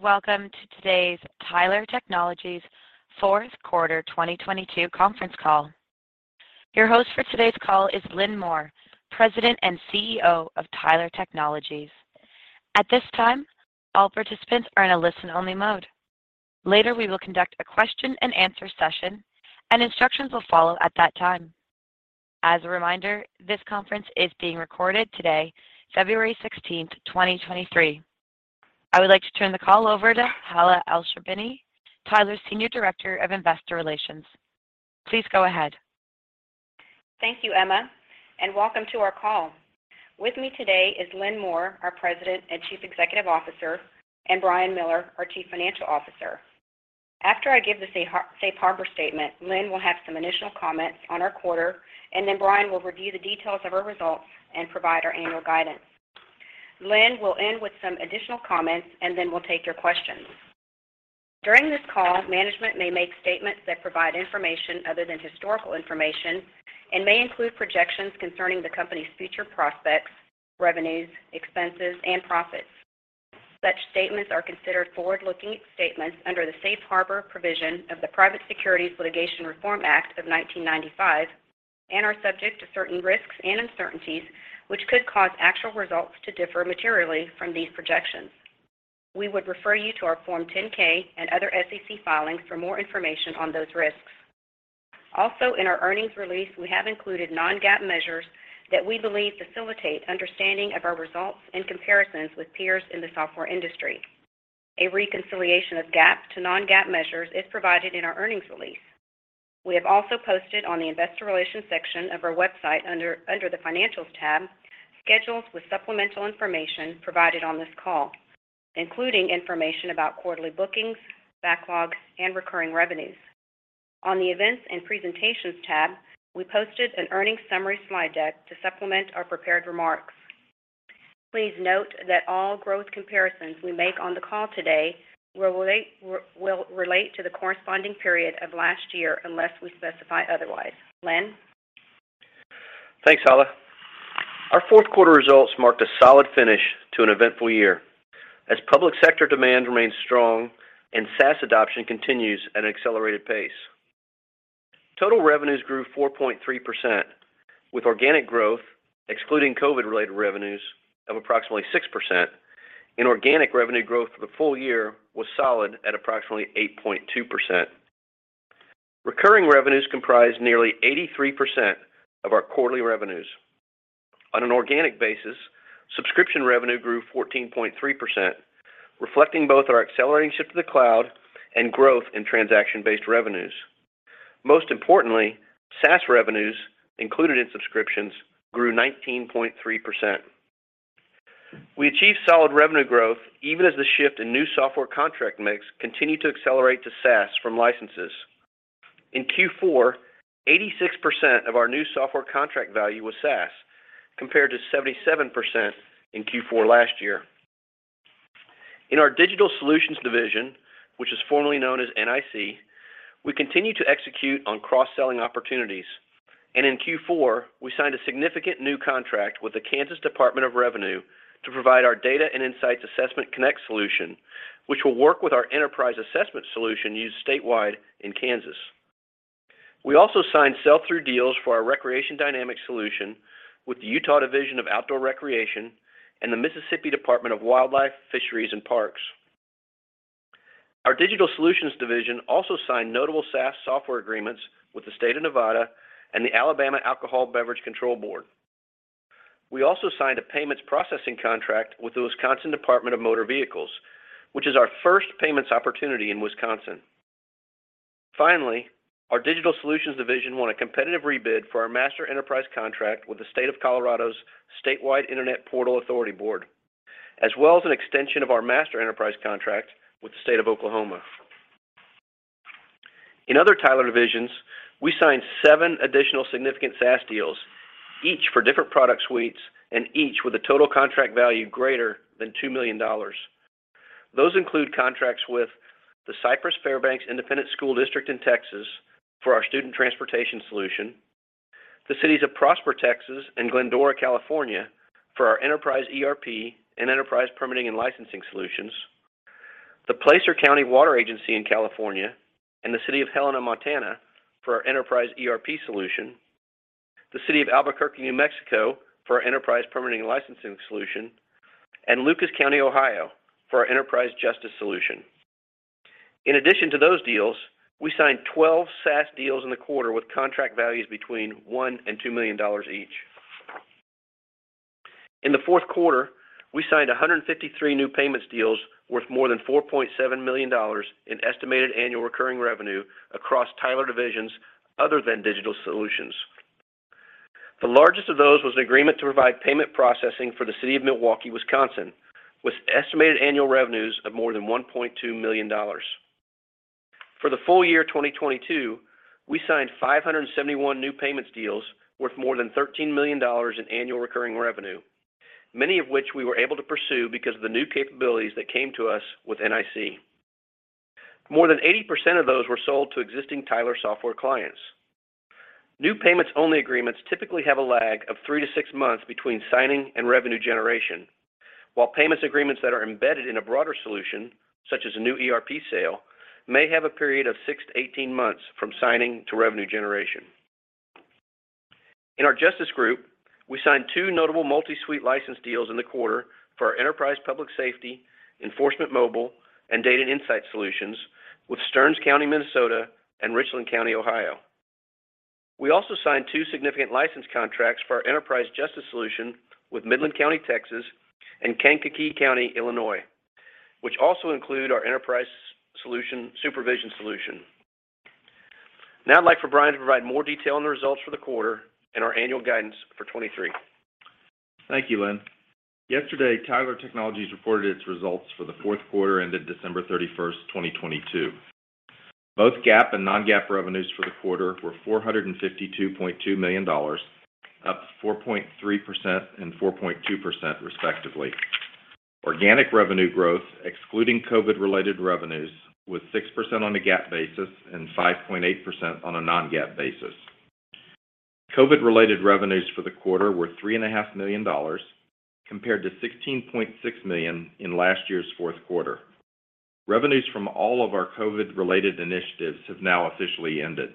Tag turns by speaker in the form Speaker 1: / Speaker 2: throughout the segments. Speaker 1: Welcome to today's Tyler Technologies Fourth Quarter 2022 Conference Call. Your host for today's call is Lynn Moore, President and CEO of Tyler Technologies. At this time, all participants are in a listen-only mode. Later, we will conduct a question and answer session, and instructions will follow at that time. As a reminder, this conference is being recorded today, February 16th, 2023. I would like to turn the call over to Hala Elsherbini, Tyler's Senior Director of Investor Relations. Please go ahead.
Speaker 2: Thank you, Emma. Welcome to our call. With me today is Lynn Moore, our President and Chief Executive Officer, and Brian Miller, our Chief Financial Officer. After I give the safe harbor statement, Lynn will have some initial comments on our quarter, and then Brian will review the details of our results and provide our annual guidance. Lynn will end with some additional comments, and then we'll take your questions. During this call, management may make statements that provide information other than historical information and may include projections concerning the company's future prospects, revenues, expenses, and profits. Such statements are considered forward-looking statements under the Safe Harbor provision of the Private Securities Litigation Reform Act of 1995 and are subject to certain risks and uncertainties, which could cause actual results to differ materially from these projections. We would refer you to our Form 10-K and other SEC filings for more information on those risks. Also, in our earnings release, we have included non-GAAP measures that we believe facilitate understanding of our results and comparisons with peers in the software industry. A reconciliation of GAAP to non-GAAP measures is provided in our earnings release. We have also posted on the investor relations section of our website under the Financials tab schedules with supplemental information provided on this call, including information about quarterly bookings, backlog, and recurring revenues. On the Events and Presentations tab, we posted an earnings summary slide deck to supplement our prepared remarks. Please note that all growth comparisons we make on the call today will relate to the corresponding period of last year unless we specify otherwise. Lynn.
Speaker 3: Thanks, Hala. Our fourth quarter results marked a solid finish to an eventful year as public sector demand remains strong and SaaS adoption continues at an accelerated pace. Total revenues grew 4.3%, with organic growth excluding COVID-related revenues of approximately 6%, and organic revenue growth for the full year was solid at approximately 8.2%. Recurring revenues comprised nearly 83% of our quarterly revenues. On an organic basis, subscription revenue grew 14.3%, reflecting both our accelerating shift to the cloud and growth in transaction-based revenues. Most importantly, SaaS revenues included in subscriptions grew 19.3%. We achieved solid revenue growth even as the shift in new software contract mix continued to accelerate to SaaS from licenses. In Q4, 86% of our new software contract value was SaaS, compared to 77% in Q4 last year. In our Digital Solutions Division, which is formerly known as NIC, we continue to execute on cross-selling opportunities. In Q4, we signed a significant new contract with the Kansas Department of Revenue to provide our Data & Insights Assessment Connect solution, which will work with our Enterprise Assessment solution used statewide in Kansas. We also signed sell-through deals for our Recreation Dynamics solution with the Utah Division of Outdoor Recreation and the Mississippi Department of Wildlife, Fisheries, and Parks. Our Digital Solutions Division also signed notable SaaS software agreements with the State of Nevada and the Alabama Alcoholic Beverage Control Board. We also signed a payments processing contract with the Wisconsin Division of Motor Vehicles, which is our first payments opportunity in Wisconsin. Finally, our Digital Solutions Division won a competitive rebid for our Master Enterprise Contract with the State of Colorado's Statewide Internet Portal Authority Board, as well as an extension of our Master Enterprise Contract with the State of Oklahoma. In other Tyler divisions, we signed seven additional significant SaaS deals, each for different product suites and each with a total contract value greater than $2 million. Those include contracts with the Cypress-Fairbanks Independent School District in Texas for our Student Transportation solution, the cities of Prosper, Texas, and Glendora, California, for our Enterprise ERP and Enterprise Permitting & Licensing solutions, the Placer County Water Agency in California and the City of Helena, Montana, for our Enterprise ERP solution, the City of Albuquerque, New Mexico, for our Enterprise Permitting & Licensing solution, and Lucas County, Ohio, for our Enterprise Justice solution. In addition to those deals, we signed 12 SaaS deals in the quarter with contract values between $1 million and $2 million each. In the fourth quarter, we signed 153 new payments deals worth more than $4.7 million in estimated annual recurring revenue across Tyler divisions other than Digital Solutions. The largest of those was an agreement to provide payment processing for the City of Milwaukee, Wisconsin, with estimated annual revenues of more than $1.2 million. For the full year 2022, we signed 571 new payments deals worth more than $13 million in annual recurring revenue, many of which we were able to pursue because of the new capabilities that came to us with NIC. More than 80% of those were sold to existing Tyler software clients. New payments-only agreements typically have a lag of three months to six months between signing and revenue generation, while payments agreements that are embedded in a broader solution, such as a new ERP sale, may have a period of six months to 18 months from signing to revenue generation. In our Justice group, we signed two notable multi-suite license deals in the quarter for our Enterprise Public Safety, Enforcement Mobile, and Data & Insights solutions with Stearns County, Minnesota, and Richland County, Ohio. We also signed two significant license contracts for our Enterprise Justice solution with Midland County, Texas, and Kankakee County, Illinois, which also include our Enterprise Supervision solution. Now I'd like for Brian to provide more detail on the results for the quarter and our annual guidance for 2023.
Speaker 4: Thank you, Lynn. Yesterday, Tyler Technologies reported its results for the fourth quarter ended December 31st, 2022. Both GAAP and non-GAAP revenues for the quarter were $452.2 million, up 4.3% and 4.2% respectively. Organic revenue growth, excluding COVID-related revenues, was 6% on a GAAP basis and 5.8% on a non-GAAP basis. COVID-related revenues for the quarter were $3.5 million compared to $16.6 million in last year's fourth quarter. Revenues from all of our COVID-related initiatives have now officially ended.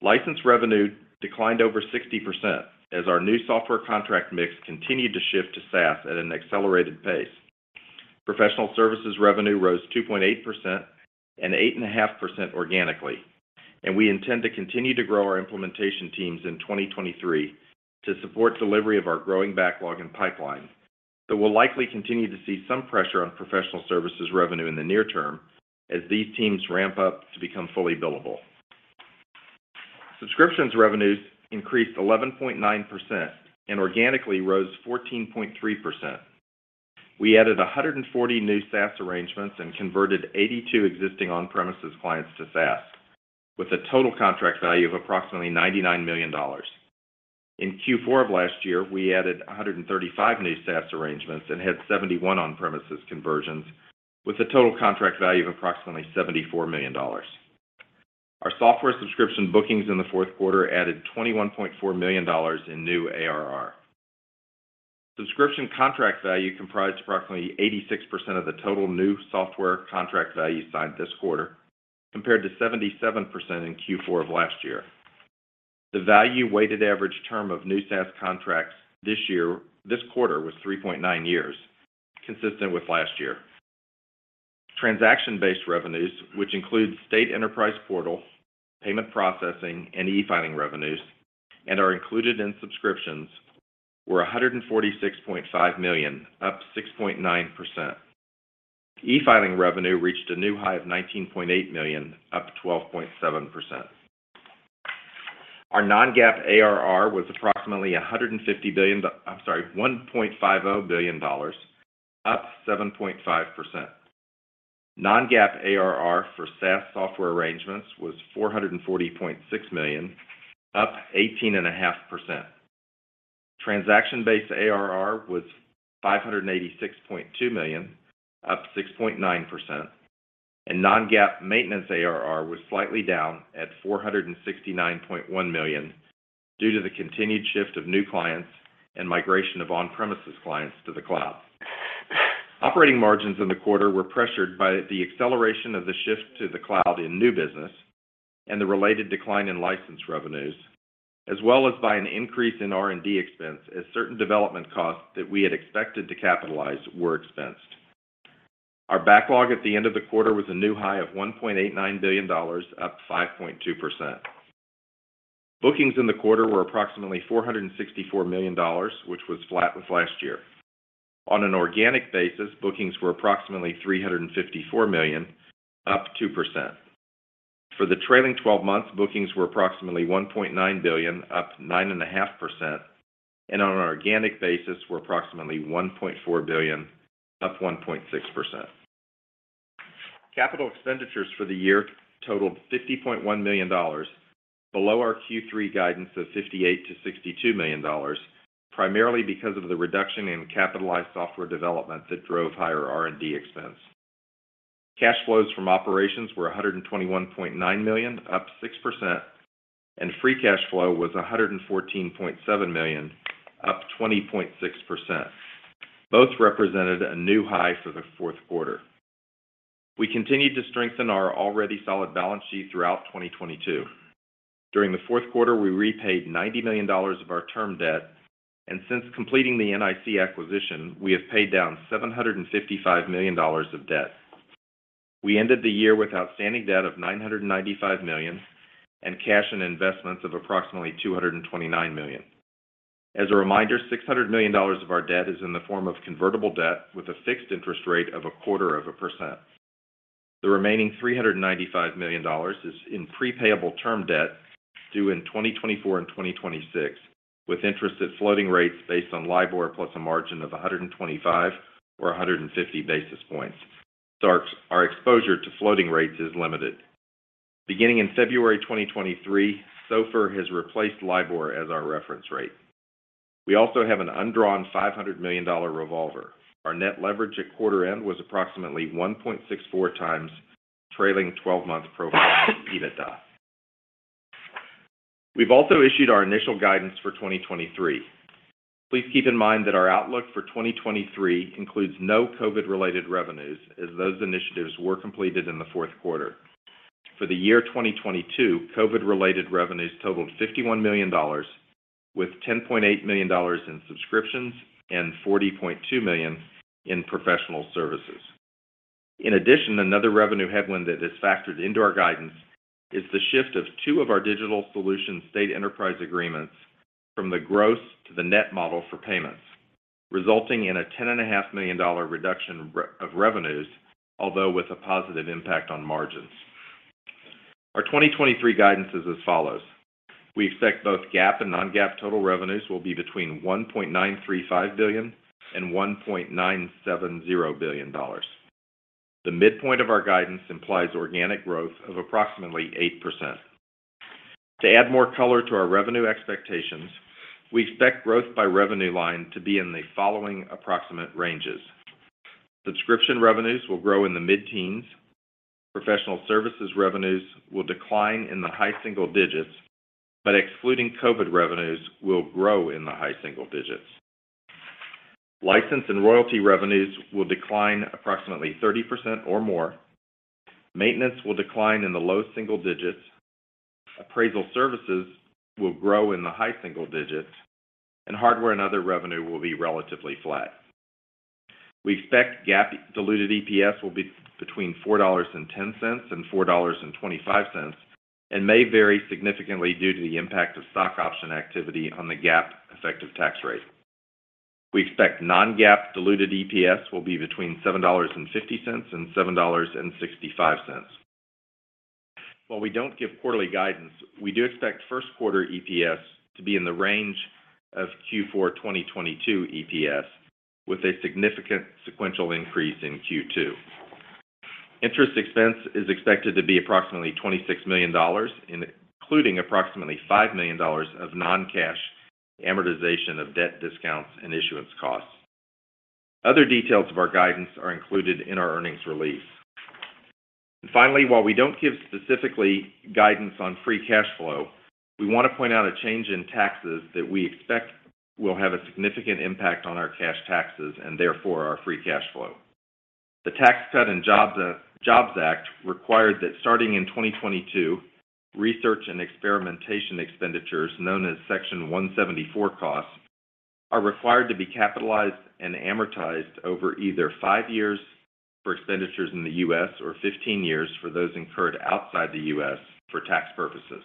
Speaker 4: License revenue declined over 60% as our new software contract mix continued to shift to SaaS at an accelerated pace. Professional services revenue rose 2.8% and 8.5% organically, and we intend to continue to grow our implementation teams in 2023 to support delivery of our growing backlog and pipeline. We'll likely continue to see some pressure on professional services revenue in the near term as these teams ramp up to become fully billable. Subscriptions revenues increased 11.9% and organically rose 14.3%. We added 140 new SaaS arrangements and converted 82 existing on-premises clients to SaaS with a total contract value of approximately $99 million. In Q4 of last year, we added 135 new SaaS arrangements and had 71 on-premises conversions with a total contract value of approximately $74 million. Our software subscription bookings in the fourth quarter added $21.4 million in new ARR. Subscription contract value comprised approximately 86% of the total new software contract value signed this quarter compared to 77% in Q4 of last year. The value weighted average term of new SaaS contracts this year, this quarter was 3.9 years, consistent with last year. Transaction-based revenues, which include state enterprise portal, payment processing, and e-filing revenues, and are included in subscriptions, were $146.5 million, up 6.9%. E-filing revenue reached a new high of $19.8 million, up 12.7%. Our non-GAAP ARR was approximately $150 billion... I'm sorry, $1.50 billion, up 7.5%. Non-GAAP ARR for SaaS software arrangements was $440.6 million, up 18.5%. Transaction-based ARR was $586.2 million, up 6.9%, and non-GAAP maintenance ARR was slightly down at $469.1 million due to the continued shift of new clients and migration of on-premises clients to the cloud. Operating margins in the quarter were pressured by the acceleration of the shift to the cloud in new business and the related decline in license revenues, as well as by an increase in R&D expense as certain development costs that we had expected to capitalize were expensed. Our backlog at the end of the quarter was a new high of $1.89 billion, up 5.2%. Bookings in the quarter were approximately $464 million, which was flat with last year. On an organic basis, bookings were approximately $354 million, up 2%. For the trailing 12 months, bookings were approximately $1.9 billion, up 9.5%. On an organic basis were approximately $1.4 billion, up 1.6%. Capital expenditures for the year totaled $50.1 million, below our Q3 guidance of $58 million-$62 million, primarily because of the reduction in capitalized software development that drove higher R&D expense. Cash flows from operations were $121.9 million, up 6%. Free cash flow was $114.7 million, up 20.6%. Both represented a new high for the fourth quarter. We continued to strengthen our already solid balance sheet throughout 2022. During the fourth quarter, we repaid $90 million of our term debt, and since completing the NIC acquisition, we have paid down $755 million of debt. We ended the year with outstanding debt of $995 million and cash and investments of approximately $229 million. As a reminder, $600 million of our debt is in the form of convertible debt with a fixed interest rate of 0.25%. The remaining $395 million is in pre-payable term debt due in 2024 and 2026, with interest at floating rates based on LIBOR plus a margin of 125 basis points or 150 basis points. Our exposure to floating rates is limited. Beginning in February 2023, SOFR has replaced LIBOR as our reference rate. We also have an undrawn $500 million revolver. Our net leverage at quarter end was approximately 1.64 times trailing twelve-month pro forma EBITDA. We've also issued our initial guidance for 2023. Please keep in mind that our outlook for 2023 includes no COVID-related revenues as those initiatives were completed in the fourth quarter. For the year 2022, COVID-related revenues totaled $51 million, with $10.8 million in subscriptions and $40.2 million in professional services. In addition, another revenue headwind that is factored into our guidance is the shift of two of our Digital Solutions state enterprise agreements from the gross to the net model for payments, resulting in a ten and a half million dollar reduction of revenues, although with a positive impact on margins. Our 2023 guidance is as follows. We expect both GAAP and non-GAAP total revenues will be between $1.935 billion and $1.970 billion. The midpoint of our guidance implies organic growth of approximately 8%. To add more color to our revenue expectations, we expect growth by revenue line to be in the following approximate ranges. Subscription revenues will grow in the mid-teens. Professional services revenues will decline in the high single digits, but excluding COVID revenues will grow in the high single digits. License and royalty revenues will decline approximately 30% or more. Maintenance will decline in the low single digits. Appraisal services will grow in the high single digits, and hardware and other revenue will be relatively flat. We expect GAAP diluted EPS will be between $4.10 and $4.25 and may vary significantly due to the impact of stock option activity on the GAAP effective tax rate. We expect non-GAAP diluted EPS will be between $7.50 and $7.65. While we don't give quarterly guidance, we do expect first quarter EPS to be in the range of Q4 2022 EPS with a significant sequential increase in Q2. Interest expense is expected to be approximately $26 million, including approximately $5 million of non-cash amortization of debt discounts and issuance costs. Other details of our guidance are included in our earnings release. Finally, while we don't give specifically guidance on free cash flow, we want to point out a change in taxes that we expect will have a significant impact on our cash taxes and therefore our free cash flow. The Tax Cuts and Jobs Act required that starting in 2022, research and experimentation expenditures, known as Section 174 costs, are required to be capitalized and amortized over either five years for expenditures in the U.S. or 15 years for those incurred outside the U.S. for tax purposes.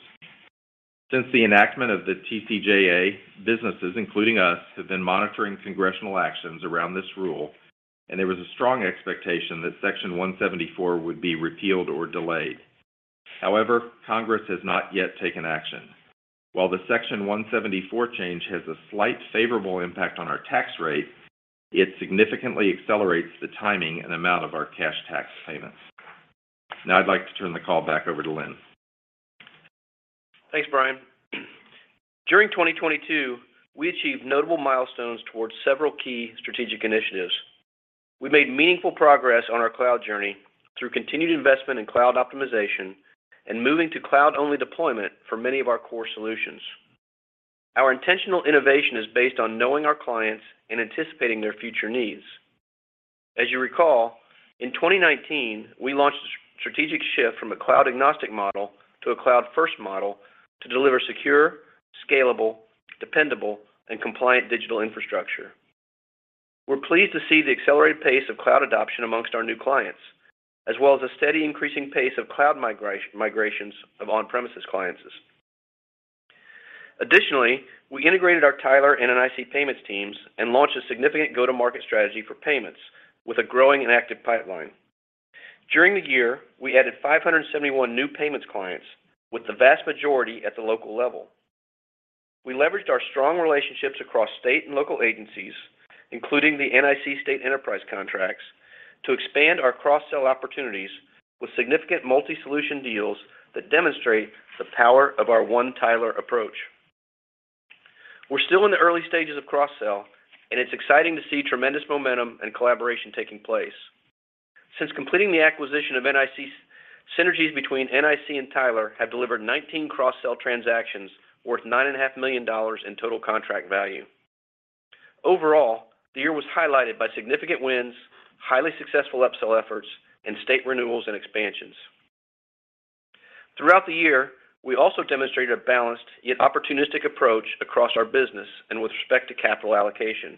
Speaker 4: Since the enactment of the TCJA, businesses, including us, have been monitoring congressional actions around this rule, and there was a strong expectation that Section 174 would be repealed or delayed. However, Congress has not yet taken action. While the Section 174 change has a slight favorable impact on our tax rate, it significantly accelerates the timing and amount of our cash tax payments. I'd like to turn the call back over to Lynn.
Speaker 3: Thanks, Brian. During 2022, we achieved notable milestones towards several key strategic initiatives. We made meaningful progress on our cloud journey through continued investment in cloud optimization and moving to cloud-only deployment for many of our core solutions. Our intentional innovation is based on knowing our clients and anticipating their future needs. As you recall, in 2019, we launched a strategic shift from a cloud-agnostic model to a cloud-first model to deliver secure, scalable, dependable, and compliant digital infrastructure. We're pleased to see the accelerated pace of cloud adoption amongst our new clients, as well as a steady increasing pace of cloud migrations of on-premises clients. Additionally, we integrated our Tyler and NIC payments teams and launched a significant go-to-market strategy for payments with a growing and active pipeline. During the year, we added 571 new payments clients, with the vast majority at the local level. We leveraged our strong relationships across state and local agencies, including the NIC state enterprise contracts, to expand our cross-sell opportunities with significant multi-solution deals that demonstrate the power of our One Tyler approach. We're still in the early stages of cross-sell, it's exciting to see tremendous momentum and collaboration taking place. Since completing the acquisition of NIC, synergies between NIC and Tyler have delivered 19 cross-sell transactions worth nine and a half million dollars in total contract value. Overall, the year was highlighted by significant wins, highly successful upsell efforts, and state renewals and expansions. Throughout the year, we also demonstrated a balanced yet opportunistic approach across our business and with respect to capital allocation.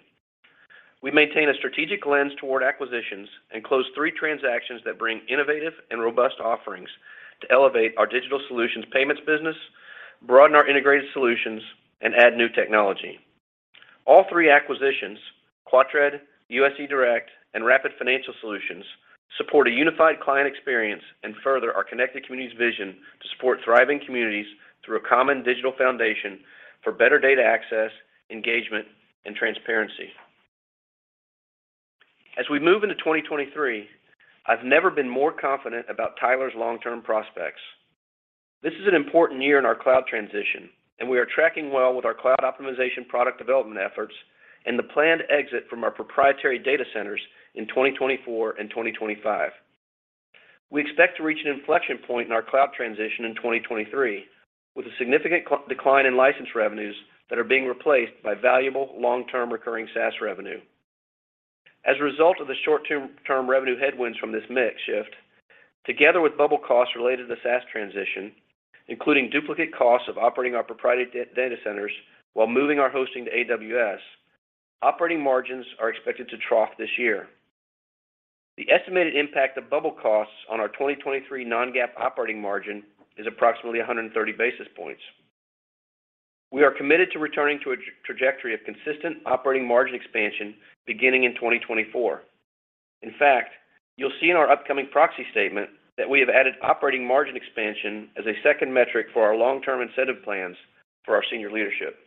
Speaker 3: We maintain a strategic lens toward acquisitions and closed three transactions that bring innovative and robust offerings to elevate our Digital Solutions payments business, broaden our integrated solutions, and add new technology. All three acquisitions, Quorum, USC Direct, and Rapid Financial Solutions, support a unified client experience and further our Connected Communities vision to support thriving communities through a common digital foundation for better data access, engagement, and transparency. As we move into 2023, I've never been more confident about Tyler's long-term prospects. This is an important year in our cloud transition, and we are tracking well with our cloud optimization product development efforts and the planned exit from our proprietary data centers in 2024 and 2025. We expect to reach an inflection point in our cloud transition in 2023, with a significant decline in license revenues that are being replaced by valuable long-term recurring SaaS revenue. As a result of the short-term revenue headwinds from this mix shift, together with bubble costs related to the SaaS transition, including duplicate costs of operating our proprietary data centers while moving our hosting to AWS, operating margins are expected to trough this year. The estimated impact of bubble costs on our 2023 non-GAAP operating margin is approximately 130 basis points. We are committed to returning to a trajectory of consistent operating margin expansion beginning in 2024. You'll see in our upcoming proxy statement that we have added operating margin expansion as a second metric for our long-term incentive plans for our senior leadership.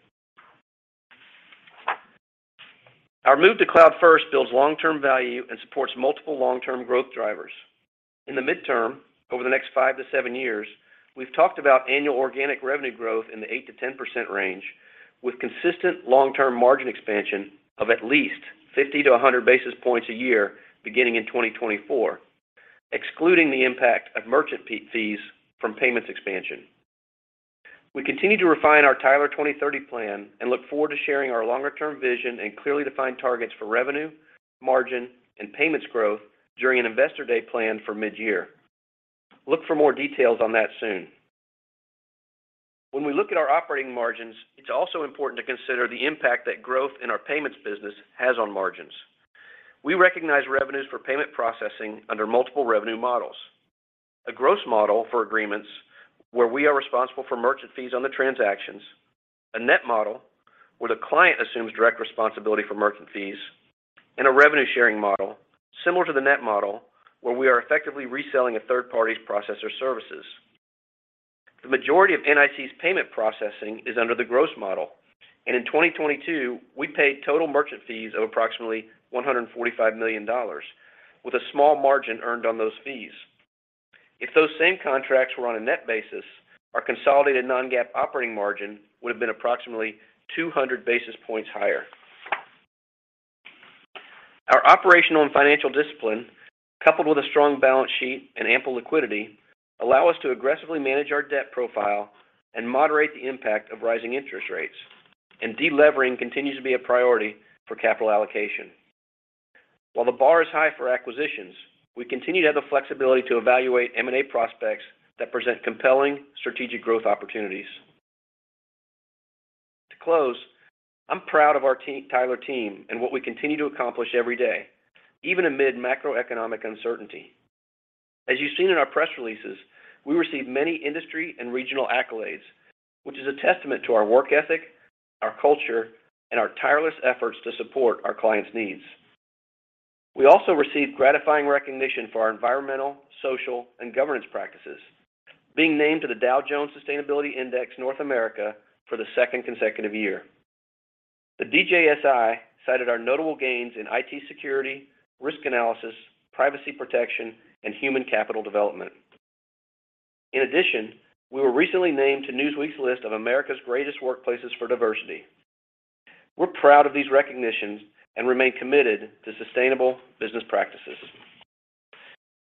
Speaker 3: Our move to cloud-first builds long-term value and supports multiple long-term growth drivers. In the midterm, over the next five years to seven years, we've talked about annual organic revenue growth in the 8%-10% range, with consistent long-term margin expansion of at least 50 basis points-100 basis points a year beginning in 2024, excluding the impact of merchant fee, fees from payments expansion. We continue to refine our Tyler 2030 plan and look forward to sharing our longer term vision and clearly defined targets for revenue, margin, and payments growth during an investor day plan for mid-year. Look for more details on that soon. When we look at our operating margins, it's also important to consider the impact that growth in our payments business has on margins. We recognize revenues for payment processing under multiple revenue models. A gross model for agreements where we are responsible for merchant fees on the transactions, a net model where the client assumes direct responsibility for merchant fees, and a revenue-sharing model similar to the net model, where we are effectively reselling a third party's processor services. The majority of NIC's payment processing is under the gross model, in 2022, we paid total merchant fees of approximately $145 million, with a small margin earned on those fees. If those same contracts were on a net basis, our consolidated non-GAAP operating margin would have been approximately 200 basis points higher. Our operational and financial discipline, coupled with a strong balance sheet and ample liquidity, allow us to aggressively manage our debt profile and moderate the impact of rising interest rates. De-levering continues to be a priority for capital allocation. While the bar is high for acquisitions, we continue to have the flexibility to evaluate M&A prospects that present compelling strategic growth opportunities. To close, I'm proud of our Tyler team and what we continue to accomplish every day, even amid macroeconomic uncertainty. As you've seen in our press releases, we receive many industry and regional accolades, which is a testament to our work ethic, our culture, and our tireless efforts to support our clients' needs. We also received gratifying recognition for our environmental, social, and governance practices, being named to the Dow Jones Sustainability Index North America for the second consecutive year. The DJSI cited our notable gains in IT security, risk analysis, privacy protection, and human capital development. In addition, we were recently named to Newsweek's list of America's greatest workplaces for diversity. We're proud of these recognitions and remain committed to sustainable business practices.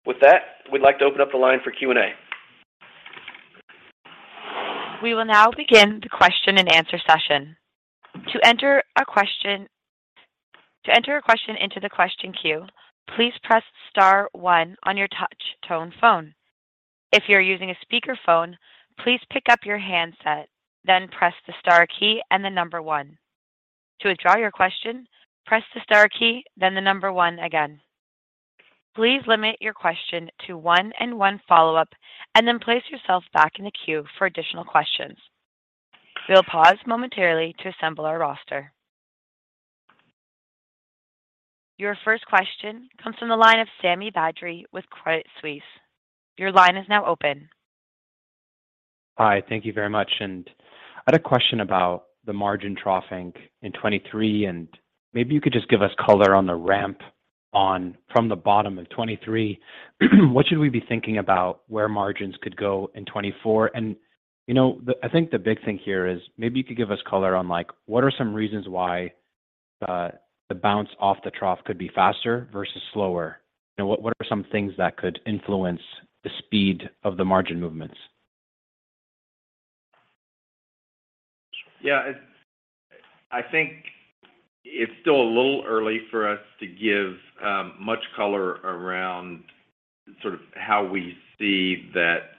Speaker 3: With that, we'd like to open up the line for Q&A.
Speaker 1: We will now begin the question and answer session. To enter a question into the question queue, please press star one on your touch tone phone. If you're using a speaker phone, please pick up your handset, then press the star key and the number one. To withdraw your question, press the star key, then the number one again. Please limit your question to one and one follow-up, and then place yourself back in the queue for additional questions. We'll pause momentarily to assemble our roster. Your first question comes from the line of Sami Badri with Credit Suisse. Your line is now open.
Speaker 5: Hi. Thank you very much. I had a question about the margin troughing in 2023, and maybe you could just give us color on the ramp on from the bottom of 2023. What should we be thinking about where margins could go in 2024? You know, I think the big thing here is maybe you could give us color on, like, what are some reasons why the bounce off the trough could be faster versus slower? You know, what are some things that could influence the speed of the margin movements?
Speaker 3: Yeah. I think it's still a little early for us to give much color around sort of how we see that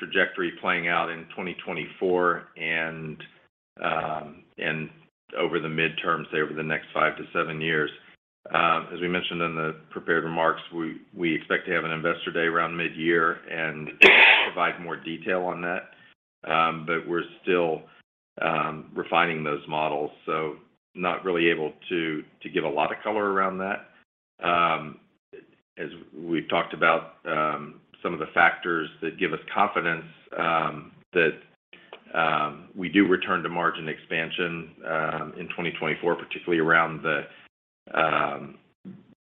Speaker 3: trajectory playing out in 2024 and over the midterm, say, over the next five to seven years. As we mentioned in the prepared remarks, we expect to have an investor day around mid-year and provide more detail on that. We're still refining those models, so not really able to give a lot of color around that.
Speaker 4: As we've talked about, some of the factors that give us confidence that we do return to margin expansion in 2024, particularly around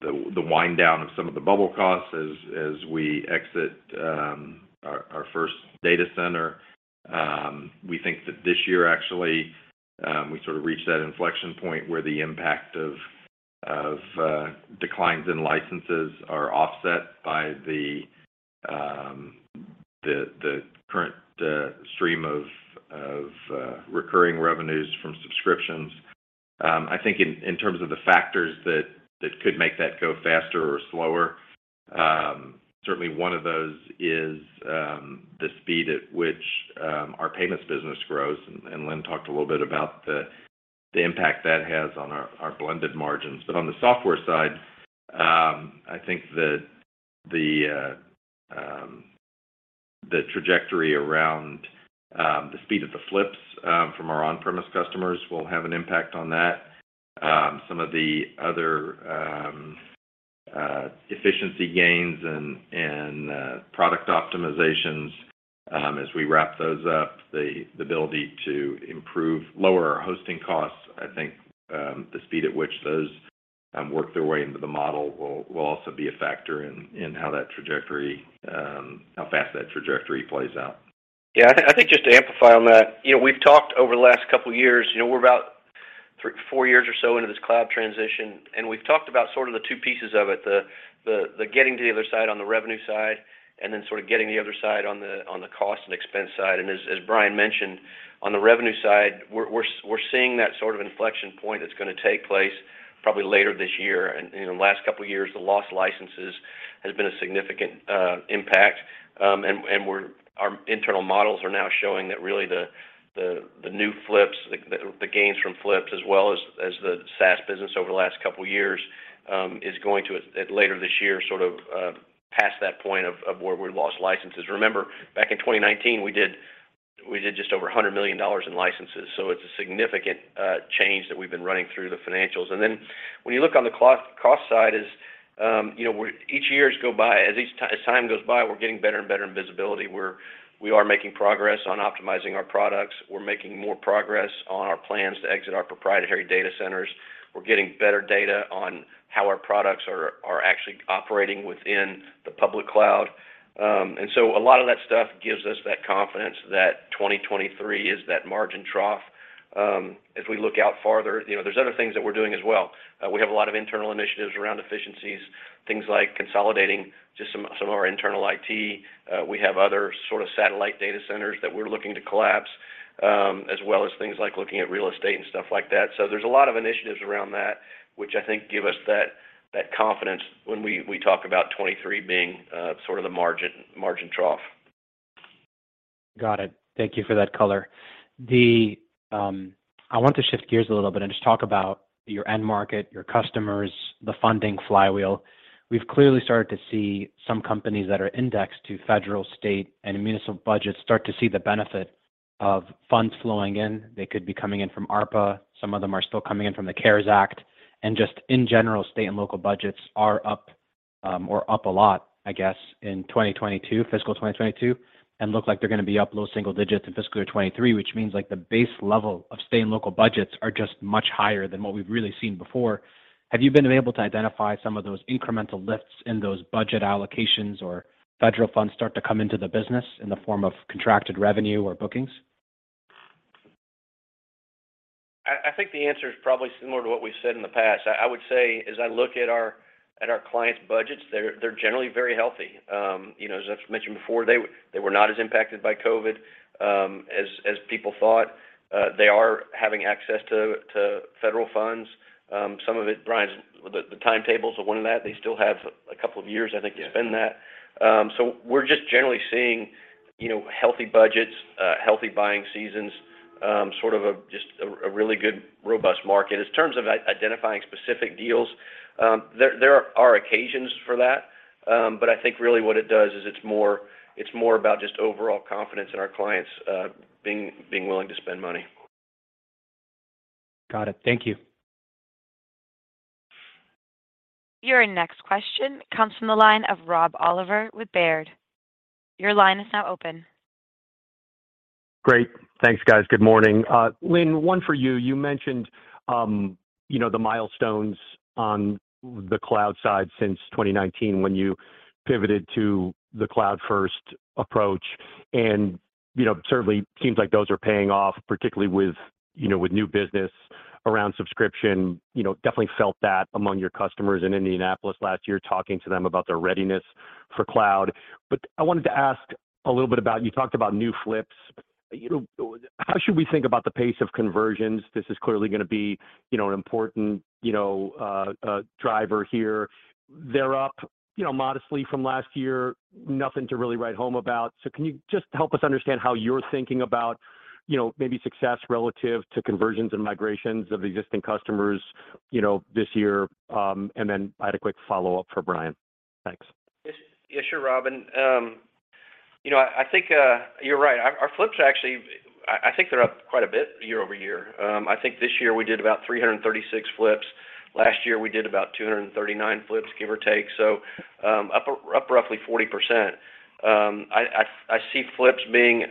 Speaker 4: the wind down of some of the bubble costs as we exit our first data center. We think that this year actually, we sort of reach that inflection point where the impact of declines in licenses are offset by the current stream of recurring revenues from subscriptions. I think in terms of the factors that could make that go faster or slower, certainly one of those is the speed at which our payments business grows. Lynn talked a little bit about the impact that has on our blended margins. On the software side, I think that the trajectory around the speed of the flips from our on-premise customers will have an impact on that. Some of the other efficiency gains and product optimizations, as we wrap those up, the ability to lower our hosting costs, I think, the speed at which those work their way into the model will also be a factor in how that trajectory how fast that trajectory plays out.
Speaker 3: Yeah. I think just to amplify on that, you know, we've talked over the last couple years, you know, we're about four years or so into this cloud transition, and we've talked about sort of the two pieces of it. The getting to the other side on the revenue side, and then sort of getting the other side on the cost and expense side. As Brian mentioned, on the revenue side, we're seeing that sort of inflection point that's gonna take place probably later this year. You know, the last couple years, the lost licenses has been a significant impact. Our internal models are now showing that really the new flips, the gains from flips as well as the SaaS business over the last couple years, is going to later this year pass that point where we'd lost licenses. Remember, back in 2019, we did just over $100 million in licenses, so it's a significant change that we've been running through the financials. When you look on the cost side is, you know, each years go by, as time goes by, we're getting better and better in visibility. We are making progress on optimizing our products. We're making more progress on our plans to exit our proprietary data centers. We're getting better data on how our products are actually operating within the public cloud. A lot of that stuff gives us that confidence that 2023 is that margin trough. As we look out farther, you know, there's other things that we're doing as well. We have a lot of internal initiatives around efficiencies, things like consolidating just some of our internal IT. We have other sort of satellite data centers that we're looking to collapse, as well as things like looking at real estate and stuff like that. There's a lot of initiatives around that, which I think give us that confidence when we talk about 2023 being sort of the margin trough.
Speaker 5: Got it. Thank you for that color. I want to shift gears a little bit and just talk about your end market, your customers, the funding flywheel. We've clearly started to see some companies that are indexed to federal, state, and municipal budgets start to see the benefit of funds flowing in. They could be coming in from ARPA, some of them are still coming in from the CARES Act, just in general, state and local budgets are up, or up a lot, I guess, in 2022, fiscal 2022, and look like they're gonna be up low single digits in fiscal 2023, which means, like, the base level of state and local budgets are just much higher than what we've really seen before. Have you been able to identify some of those incremental lifts in those budget allocations or federal funds start to come into the business in the form of contracted revenue or bookings?
Speaker 3: I think the answer is probably similar to what we've said in the past. I would say as I look at our clients' budgets, they're generally very healthy. you know, as I've mentioned before, they were not as impacted by COVID, as people thought. They are having access to federal funds. Some of it, Brian's... The timetables of winning that, they still have a couple of years, I think, to spend that.
Speaker 4: Yeah.
Speaker 3: We're just generally seeing, you know, healthy budgets, healthy buying seasons, sort of a really good, robust market. In terms of identifying specific deals, there are occasions for that. I think really what it does is it's more about just overall confidence in our clients, being willing to spend money.
Speaker 5: Got it. Thank you.
Speaker 1: Your next question comes from the line of Rob Oliver with Baird. Your line is now open.
Speaker 6: Great. Thanks, guys. Good morning. Lynn, one for you. You mentioned, you know, the milestones on the cloud side since 2019 when you pivoted to the cloud first approach. You know, certainly seems like those are paying off, particularly with, you know, with new business around subscription. You know, definitely felt that among your customers in Indianapolis last year, talking to them about their readiness for cloud. I wanted to ask a little bit about, you talked about new flips. You know, how should we think about the pace of conversions? This is clearly gonna be, you know, an important, you know, driver here. They're up, you know, modestly from last year. Nothing to really write home about. Can you just help us understand how you're thinking about, you know, maybe success relative to conversions and migrations of existing customers, you know, this year? Then I had a quick follow-up for Brian. Thanks.
Speaker 3: Yes. Yes, sure, Rob. You know, I think, you're right. Our flips are actually I think they're up quite a bit year-over-year. I think this year we did about 336 flips. Last year, we did about 239 flips, give or take. Up roughly 40%. I see flips being,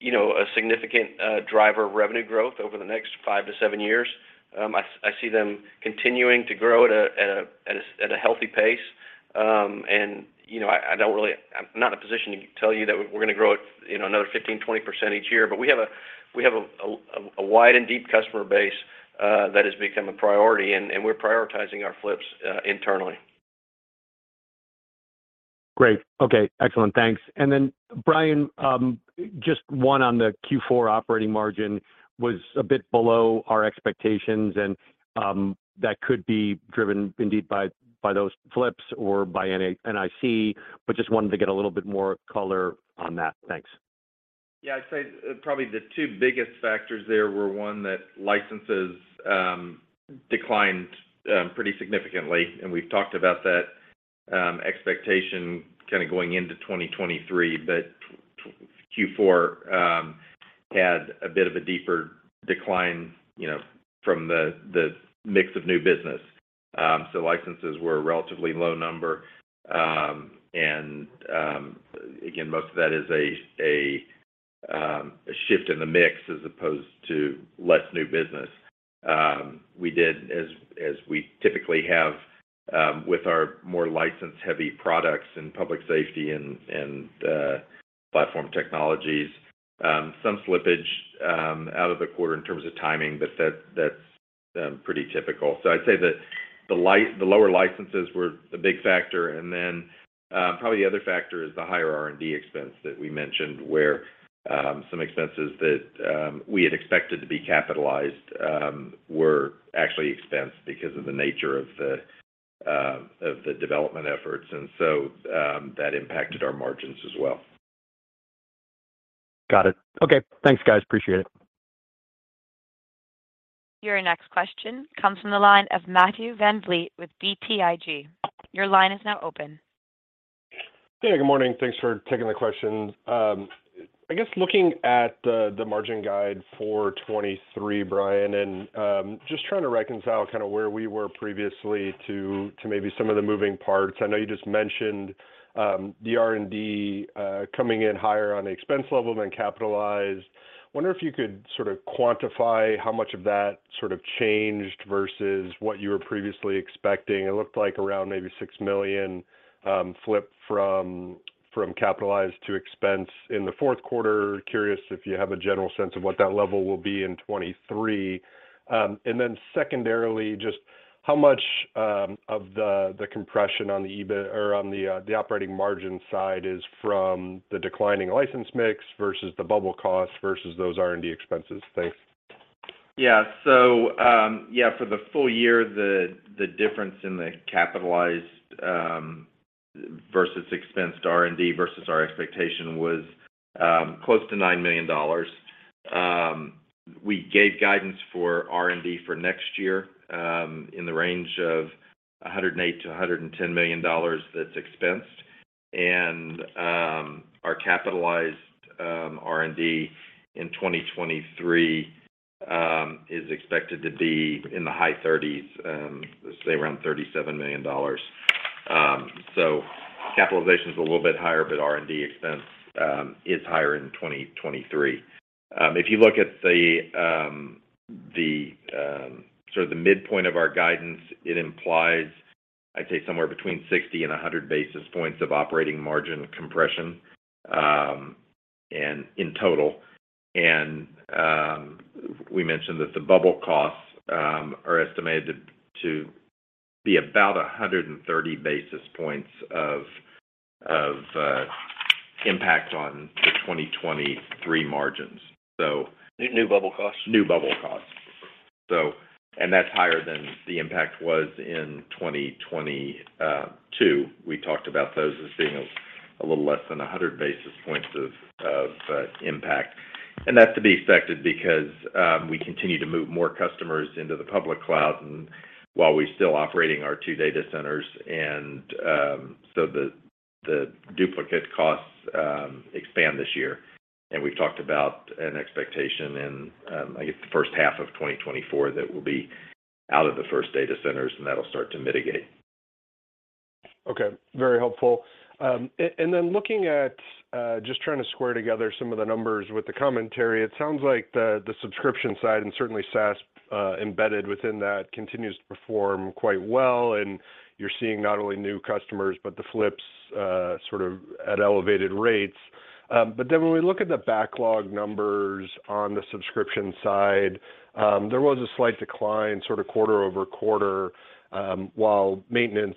Speaker 3: you know, a significant driver of revenue growth over the next 5 to 7 years. I see them continuing to grow at a healthy pace. You know, I'm not in a position to tell you that we're gonna grow at, you know, another 15%, 20% each year. We have a wide and deep customer base, that has become a priority, and we're prioritizing our flips, internally.
Speaker 6: Great. Okay. Excellent. Thanks. Brian, just one on the Q4 operating margin was a bit below our expectations, and that could be driven indeed by those flips or by NIC, but just wanted to get a little bit more color on that. Thanks.
Speaker 4: Yeah. I'd say probably the two biggest factors there were, one, that licenses declined pretty significantly, and we've talked about that expectation kind of going into 2023. Q4 had a bit of a deeper decline, you know, from the mix of new business. Licenses were a relatively low number. Again, most of that is a shift in the mix as opposed to less new business. We did, as we typically have, with our more license-heavy products in public safety and platform technologies, some slippage out of the quarter in terms of timing, but that's pretty typical. I'd say that the lower licenses were a big factor. Probably the other factor is the higher R&D expense that we mentioned, where some expenses that we had expected to be capitalized were actually expensed because of the nature of the development efforts. That impacted our margins as well.
Speaker 6: Got it. Okay. Thanks, guys. Appreciate it.
Speaker 1: Your next question comes from the line of Matthew VanVliet with BTIG. Your line is now open.
Speaker 7: Good morning. Thanks for taking the question. I guess looking at the margin guide for 2023, Brian, just trying to reconcile kind of where we were previously to maybe some of the moving parts. I know you just mentioned the R&D coming in higher on the expense level than capitalized. Wonder if you could sort of quantify how much of that sort of changed versus what you were previously expecting. It looked like around maybe $6 million flipped from capitalized to expense in the fourth quarter. Curious if you have a general sense of what that level will be in 2023. Secondarily, just how much of the compression on the operating margin side is from the declining license mix versus the bubble cost versus those R&D expenses. Thanks.
Speaker 4: Yeah. Yeah, for the full year, the difference in the capitalized versus expensed R&D versus our expectation was close to $9 million. We gave guidance for R&D for next year in the range of $108 million-$110 million that's expensed. Our capitalized R&D in 2023 is expected to be in the high 30s, let's say around $37 million. Capitalization is a little bit higher, but R&D expense is higher in 2023. If you look at the sort of the midpoint of our guidance, it implies, I'd say somewhere between 60 basis points and 100 basis points of operating margin compression in total. We mentioned that the bubble costs are estimated to be about 130 basis points of impact on the 2023 margins.
Speaker 3: New, new bubble costs?
Speaker 4: New bubble costs. That's higher than the impact was in 2022. We talked about those as being a little less than 100 basis points of impact. That's to be expected because we continue to move more customers into the public cloud and while we're still operating our two data centers, the duplicate costs expand this year. We've talked about an expectation in, I guess, the first half of 2024 that we'll be out of the first data centers, and that'll start to mitigate.
Speaker 7: Okay. Very helpful. Looking at just trying to square together some of the numbers with the commentary, it sounds like the subscription side and certainly SaaS embedded within that continues to perform quite well. You're seeing not only new customers, but the flips sort of at elevated rates. When we look at the backlog numbers on the subscription side, there was a slight decline sort of quarter-over-quarter, while maintenance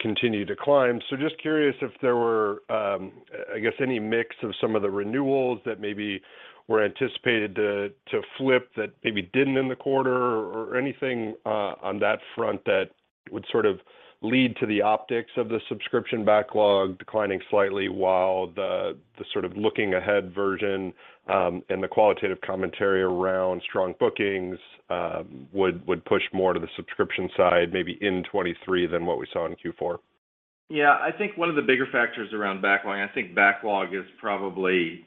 Speaker 7: continued to climb. Just curious if there were, I guess, any mix of some of the renewals that maybe were anticipated to flip that maybe didn't in the quarter or anything on that front that would sort of lead to the optics of the subscription backlog declining slightly while the sort of looking ahead version. The qualitative commentary around strong bookings would push more to the subscription side maybe in 2023 than what we saw in Q4.
Speaker 4: I think one of the bigger factors around backlog, I think backlog is probably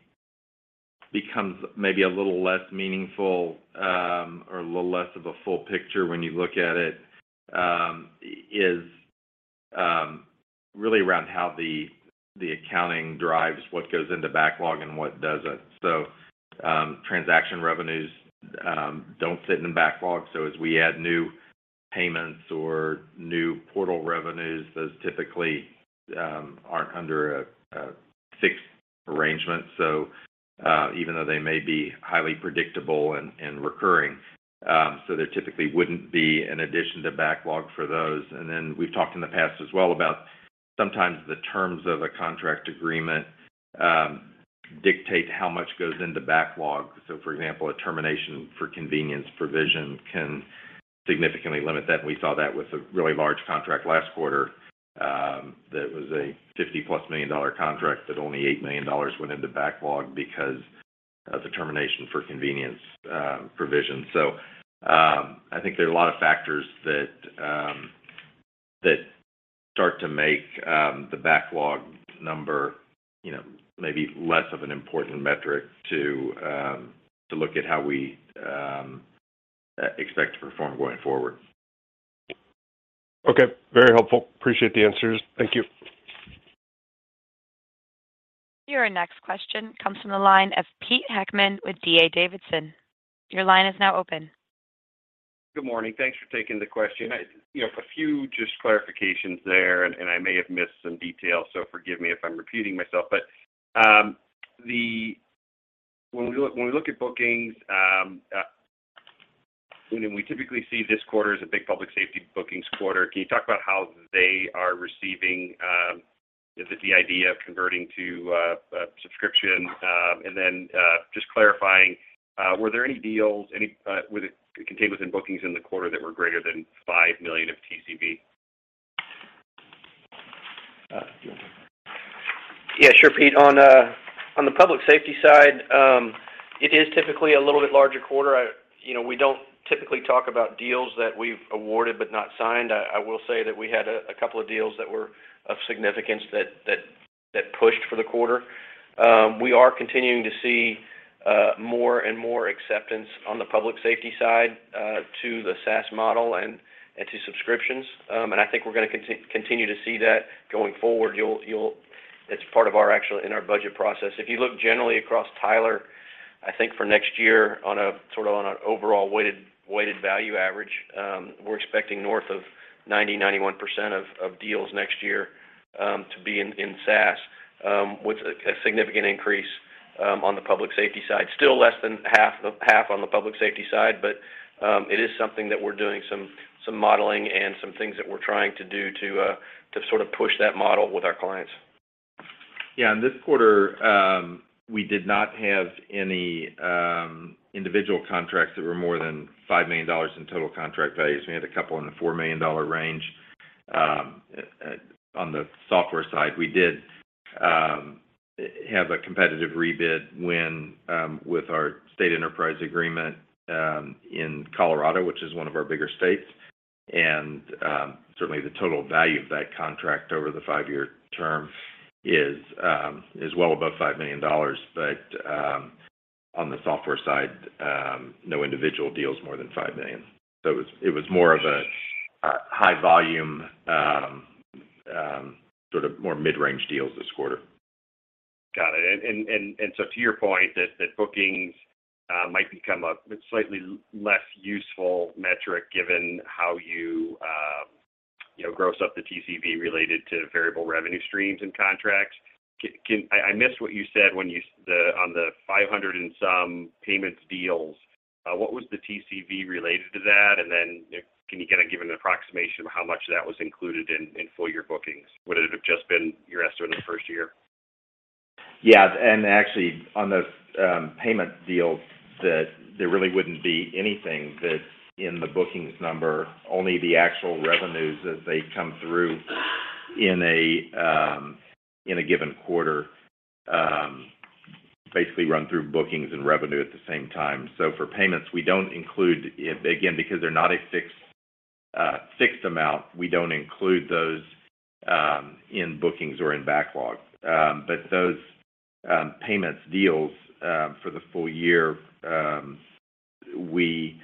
Speaker 4: becomes maybe a little less meaningful, or a little less of a full picture when you look at it, is really around how the accounting drives what goes into backlog and what doesn't. Transaction revenues don't sit in the backlog. As we add new payments or new portal revenues, those typically aren't under a fixed arrangement, even though they may be highly predictable and recurring. There typically wouldn't be an addition to backlog for those. We've talked in the past as well about sometimes the terms of a contract agreement dictate how much goes into backlog. For example, a termination for convenience provision can significantly limit that, and we saw that with a really large contract last quarter, that was a $50+ million contract that only $8 million went into backlog because of the termination for convenience provision. I think there are a lot of factors that start to make the backlog number, you know, maybe less of an important metric to look at how we expect to perform going forward.
Speaker 7: Okay. Very helpful. Appreciate the answers. Thank you.
Speaker 1: Your next question comes from the line of Peter Heckmann with D.A. Davidson. Your line is now open.
Speaker 8: Good morning. Thanks for taking the question. You know, a few just clarifications there, and I may have missed some details, so forgive me if I'm repeating myself. When we look at bookings, you know, we typically see this quarter as a big public safety bookings quarter. Can you talk about how they are receiving the idea of converting to subscription? Then, just clarifying, were there any deals, were the containers and bookings in the quarter that were greater than $5 million of TCV?
Speaker 4: Do you want to take that?
Speaker 3: Sure, Pete. On the public safety side, it is typically a little bit larger quarter. You know, we don't typically talk about deals that we've awarded but not signed. I will say that we had a couple of deals that were of significance that pushed for the quarter. We are continuing to see more and more acceptance on the public safety side to the SaaS model and to subscriptions. I think we're gonna continue to see that going forward. It's part of our budget process. If you look generally across Tyler, I think for next year, on a sort of overall weighted value average, we're expecting north of 91% of deals next year to be in SaaS, with a significant increase on the public safety side. Still less than half on the public safety side, but it is something that we're doing some modeling and some things that we're trying to do to sort of push that model with our clients.
Speaker 4: Yeah. In this quarter, we did not have any individual contracts that were more than $5 million in total contract values. We had a couple in the $4 million range on the software side. We did have a competitive rebid win with our state enterprise agreement in Colorado, which is one of our bigger states. Certainly the total value of that contract over the five-year term is well above $5 million. On the software side, no individual deal is more than $5 million. It was, it was more of a high volume sort of more mid-range deals this quarter.
Speaker 8: Got it. So to your point that bookings, might become a slightly less useful metric given how you know, gross up the TCV related to variable revenue streams and contracts. I missed what you said on the 500 and some payments deals. What was the TCV related to that? Can you kind of give an approximation of how much of that was included in full year bookings? Would it have just been your estimate in the first year?
Speaker 4: Yeah. Actually, on the payment deals that there really wouldn't be anything that's in the bookings number, only the actual revenues as they come through in a given quarter, basically run through bookings and revenue at the same time. For payments, we don't include, again, because they're not a fixed fixed amount, we don't include those in bookings or in backlog. Those payments deals for the full year, we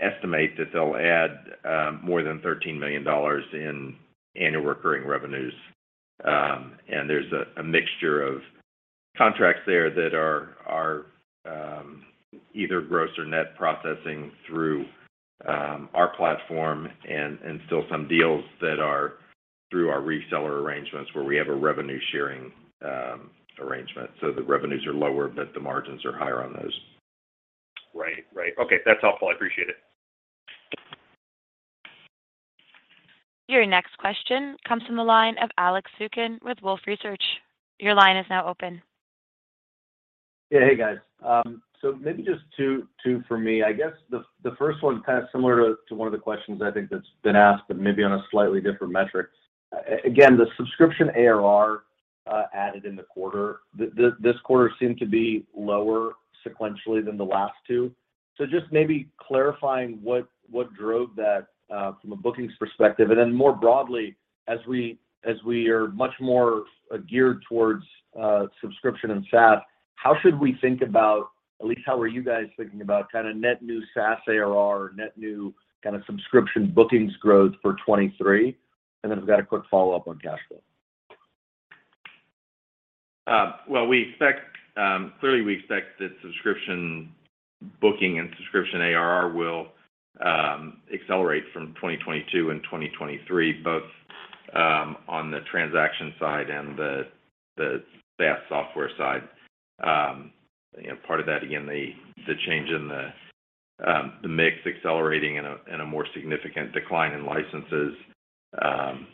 Speaker 4: estimate that they'll add more than $13 million in annual recurring revenues. There's a mixture of contracts there that are either gross or net processing through our platform and still some deals that are through our reseller arrangements where we have a revenue sharing arrangement. The revenues are lower, but the margins are higher on those.
Speaker 8: Right. Right. Okay, that's helpful. I appreciate it.
Speaker 1: Your next question comes from the line of Alex Zukin with Wolfe Research. Your line is now open.
Speaker 9: Yeah. Hey, guys. maybe just two for me. I guess the first one kind of similar to one of the questions I think that's been asked, but maybe on a slightly different metric. Again, the subscription ARR added in the quarter, this quarter seemed to be lower sequentially than the last two. just maybe clarifying what drove that from a bookings perspective. more broadly, as we are much more geared towards subscription and SaaS, how should we think about, at least how are you guys thinking about kinda net new SaaS ARR, net new kinda subscription bookings growth for 2023? I've got a quick follow-up on cash flow.
Speaker 4: Well we expect, clearly we expect that subscription booking and subscription ARR will accelerate from 2022 and 2023, both on the transaction side and the SaaS software side. You know, part of that, again, the change in the mix accelerating and a, and a more significant decline in licenses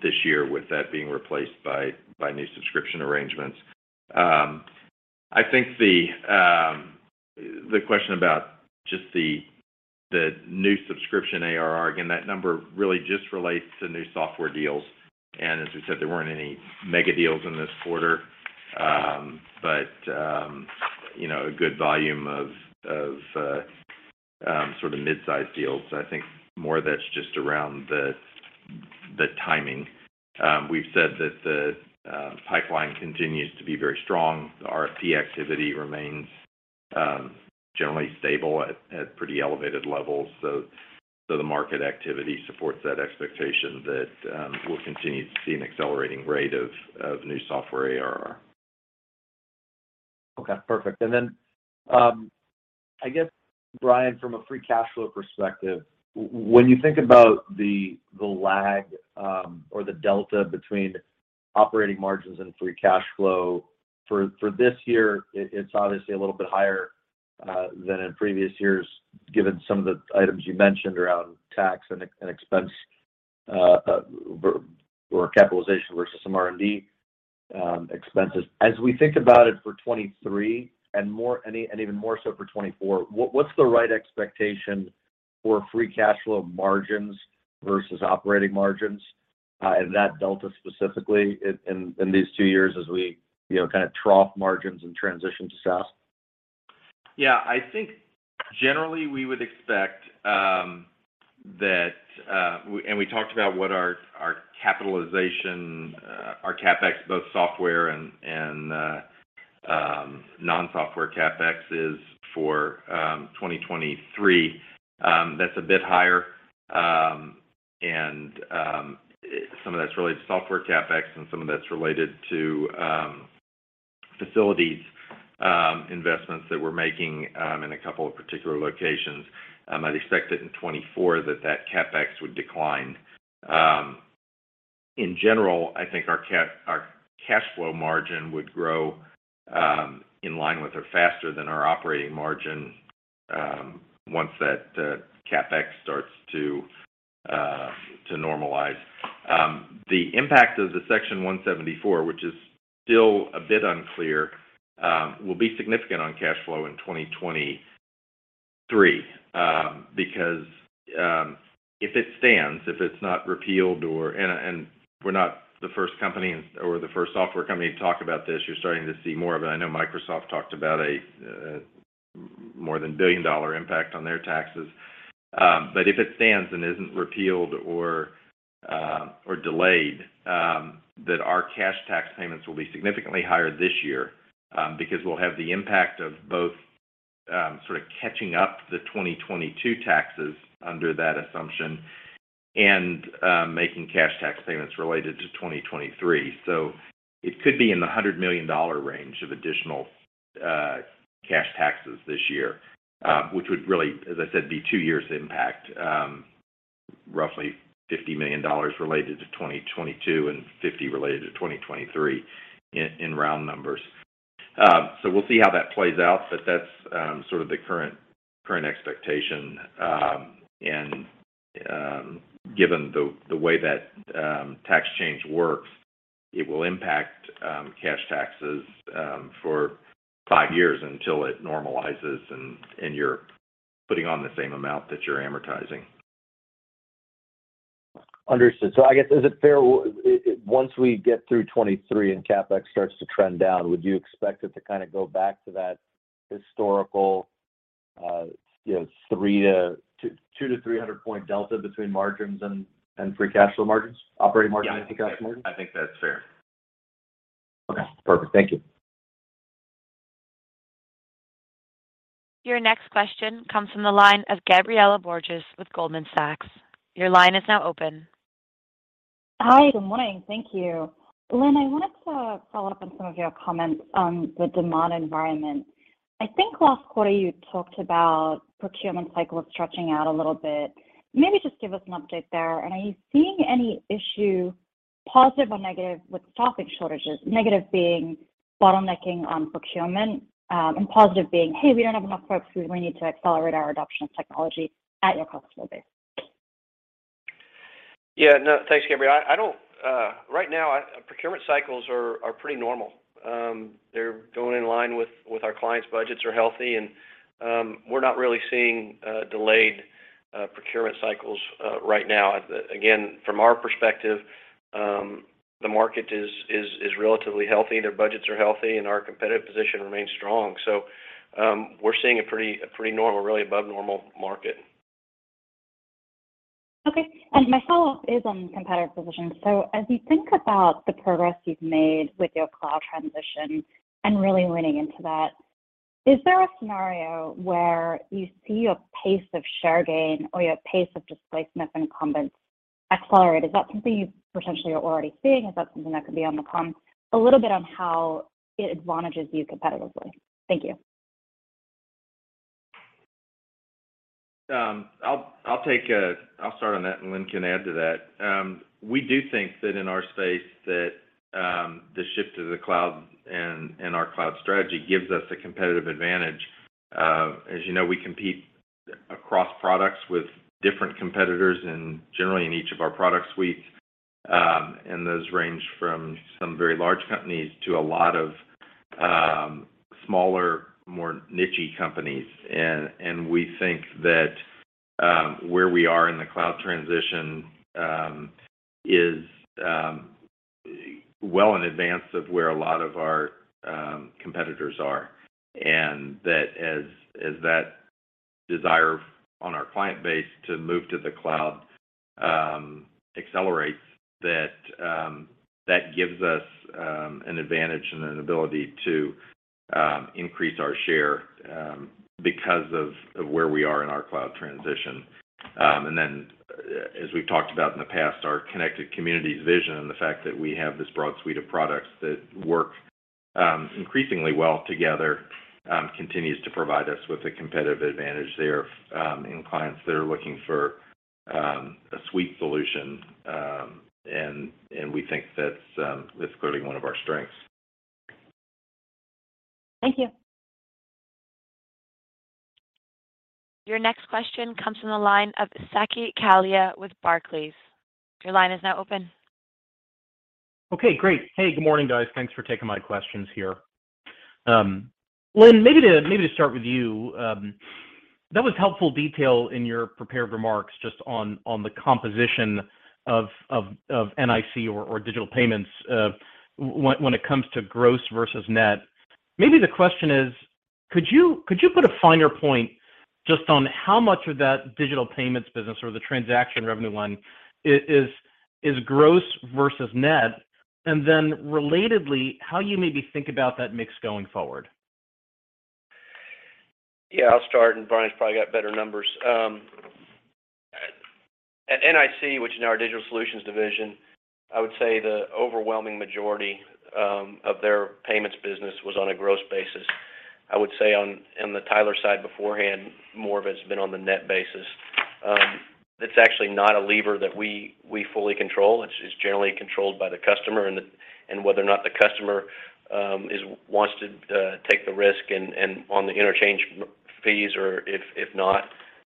Speaker 4: this year with that being replaced by new subscription arrangements. I think the question about just the new subscription ARR, again, that number really just relates to new software deals. As we said, there weren't any mega deals in this quarter. But, you know, a good volume of, sort of mid-sized deals. I think more of that's just around the timing. We've said that the pipeline continues to be very strong. The RFP activity remains generally stable at pretty elevated levels. The market activity supports that expectation that we'll continue to see an accelerating rate of new software ARR.
Speaker 9: Okay. Perfect. Then, I guess, Brian, from a free cash flow perspective, when you think about the lag or the delta between operating margins and free cash flow for this year it's obviously a little bit higher than in previous years given some of the items you mentioned around tax and expense or capitalization versus some R&D expenses. As we think about it for 2023 and more, and even more so for 2024, what's the right expectation for free cash flow margins versus operating margins, and that delta specifically in these two years as we, you know, kind of trough margins and transition to SaaS?
Speaker 4: I think generally we would expect that we talked about what our capitalization, our CapEx, both software and non-software CapEx is for 2023. That's a bit higher. Some of that's related to software CapEx and some of that's related to facilities investments that we're making in a couple of particular locations. I'd expect that in 2024 that CapEx would decline. In general, I think our cash flow margin would grow in line with or faster than our operating margin once that CapEx starts to normalize. The impact of the Section 174, which is still a bit unclear, will be significant on cash flow in 2023. If it stands, if it's not repealed or... We're not the first company or the first software company to talk about this. You're starting to see more of it. I know Microsoft talked about a more than $1 billion impact on their taxes. But if it stands and isn't repealed or delayed, that our cash tax payments will be significantly higher this year, because we'll have the impact of both sort of catching up the 2022 taxes under that assumption and making cash tax payments related to 2023. It could be in the $100 million range of additional cash taxes this year, which would really, as I said, be two years impact. Roughly $50 million related to 2022 and $50 million related to 2023 in round numbers. We'll see how that plays out, but that's, sort of the current expectation. Given the way that tax change works, it will impact cash taxes for five years until it normalizes and you're putting on the same amount that you're amortizing.
Speaker 9: Understood. I guess, is it fair once we get through 2023 and CapEx starts to trend down, would you expect it to kind of go back to that historical, you know, 2 point to 300 point delta between margins and free cash flow margins, operating margins and free cash margins?
Speaker 4: Yeah, I think that's fair.
Speaker 9: Okay. Perfect. Thank you.
Speaker 1: Your next question comes from the line of Gabriela Borges with Goldman Sachs. Your line is now open.
Speaker 10: Hi, good morning. Thank you. Lynn, I wanted to follow up on some of your comments on the demand environment. I think last quarter you talked about procurement cycle stretching out a little bit. Maybe just give us an update there. Are you seeing any issue, positive or negative, with staffing shortages, negative being bottlenecking on procurement, and positive being, "Hey, we don't have enough folks. We need to accelerate our adoption of technology at your customer base"?
Speaker 3: Yeah. No, thanks, Gabriela. I don't right now, procurement cycles are pretty normal. They're going in line with our clients' budgets are healthy. We're not really seeing delayed procurement cycles right now. Again, from our perspective, the market is relatively healthy. Their budgets are healthy. Our competitive position remains strong. We're seeing a pretty normal, really above normal market.
Speaker 10: Okay. My follow-up is on competitive position. As you think about the progress you've made with your cloud transition and really leaning into that, is there a scenario where you see a pace of share gain or you have pace of displacement incumbents accelerate? Is that something you potentially are already seeing? Is that something that could be on the con? A little bit on how it advantages you competitively. Thank you.
Speaker 4: I'll take, I'll start on that. Lynn can add to that. We do think that in our space that the shift to the cloud and our cloud strategy gives us a competitive advantage. As you know, we compete across products with different competitors and generally in each of our product suites. Those range from some very large companies to a lot of smaller, more niche-y companies. We think that where we are in the cloud transition is well in advance of where a lot of our competitors are. That as that desire on our client base to move to the cloud accelerates, that gives us an advantage and an ability to increase our share because of where we are in our cloud transition. As we've talked about in the past, our Connected Communities vision and the fact that we have this broad suite of products that work increasingly well together, continues to provide us with a competitive advantage there, in clients that are looking for a suite solution. We think that's clearly one of our strengths.
Speaker 10: Thank you.
Speaker 1: Your next question comes from the line of Saket Kalia with Barclays. Your line is now open.
Speaker 11: Okay, great. Hey, good morning, guys. Thanks for taking my questions here. Lynn, maybe to start with you. That was helpful detail in your prepared remarks just on the composition of NIC or digital payments when it comes to gross versus net. Maybe the question is, could you put a finer point just on how much of that digital payments business or the transaction revenue line is gross versus net? Relatedly, how you maybe think about that mix going forward?
Speaker 3: I'll start, Brian's probably got better numbers. At NIC, which is our Digital Solutions Division, I would say the overwhelming majority of their payments business was on a gross basis. I would say on, in the Tyler side beforehand, more of it's been on the net basis. That's actually not a lever that we fully control. It's generally controlled by the customer and whether or not the customer wants to take the risk and on the interchange fees or if not.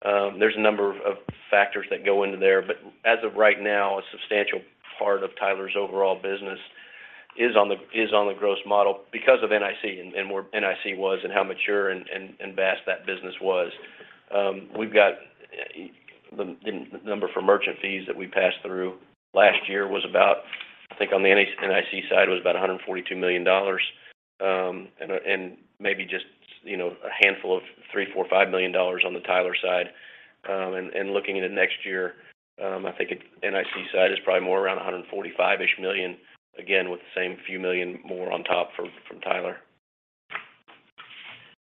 Speaker 3: There's a number of factors that go into there. As of right now, a substantial part of Tyler's overall business is on the gross model because of NIC and where NIC was and how mature and vast that business was. we've got the number for merchant fees that we passed through last year was about, I think on the NIC side, was about $142 million, and maybe just, you know, a handful of $3 million, $4 million, $5 million on the Tyler side. Looking into next year, I think at NIC side is probably more around $145-ish million, again, with the same few million more on top from Tyler.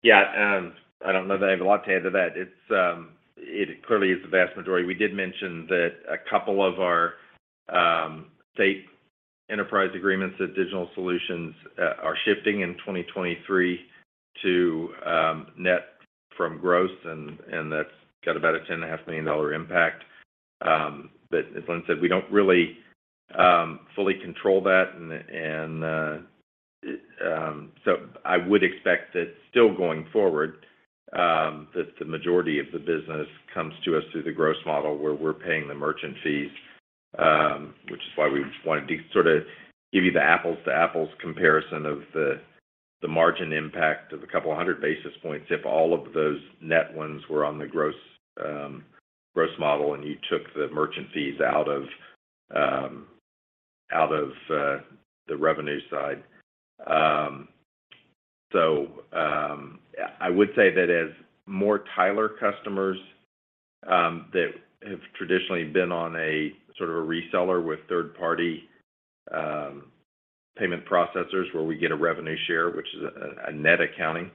Speaker 4: Yeah. I don't know that I have a lot to add to that. It's, it clearly is the vast majority. We did mention that a couple of our state enterprise agreements at Digital Solutions are shifting in 2023 to net from gross and that's got about a $10.5 Million impact. As Lynn said, we don't really fully control that. I would expect that still going forward, that the majority of the business comes to us through the gross model where we're paying the merchant fees, which is why we wanted to sort of give you the apples to apples comparison of the margin impact of a couple of 100 basis points if all of those net ones were on the gross model, and you took the merchant fees out of the revenue side. I would say that as more Tyler customers that have traditionally been on a sort of a reseller with third-party payment processors where we get a revenue share, which is a net accounting.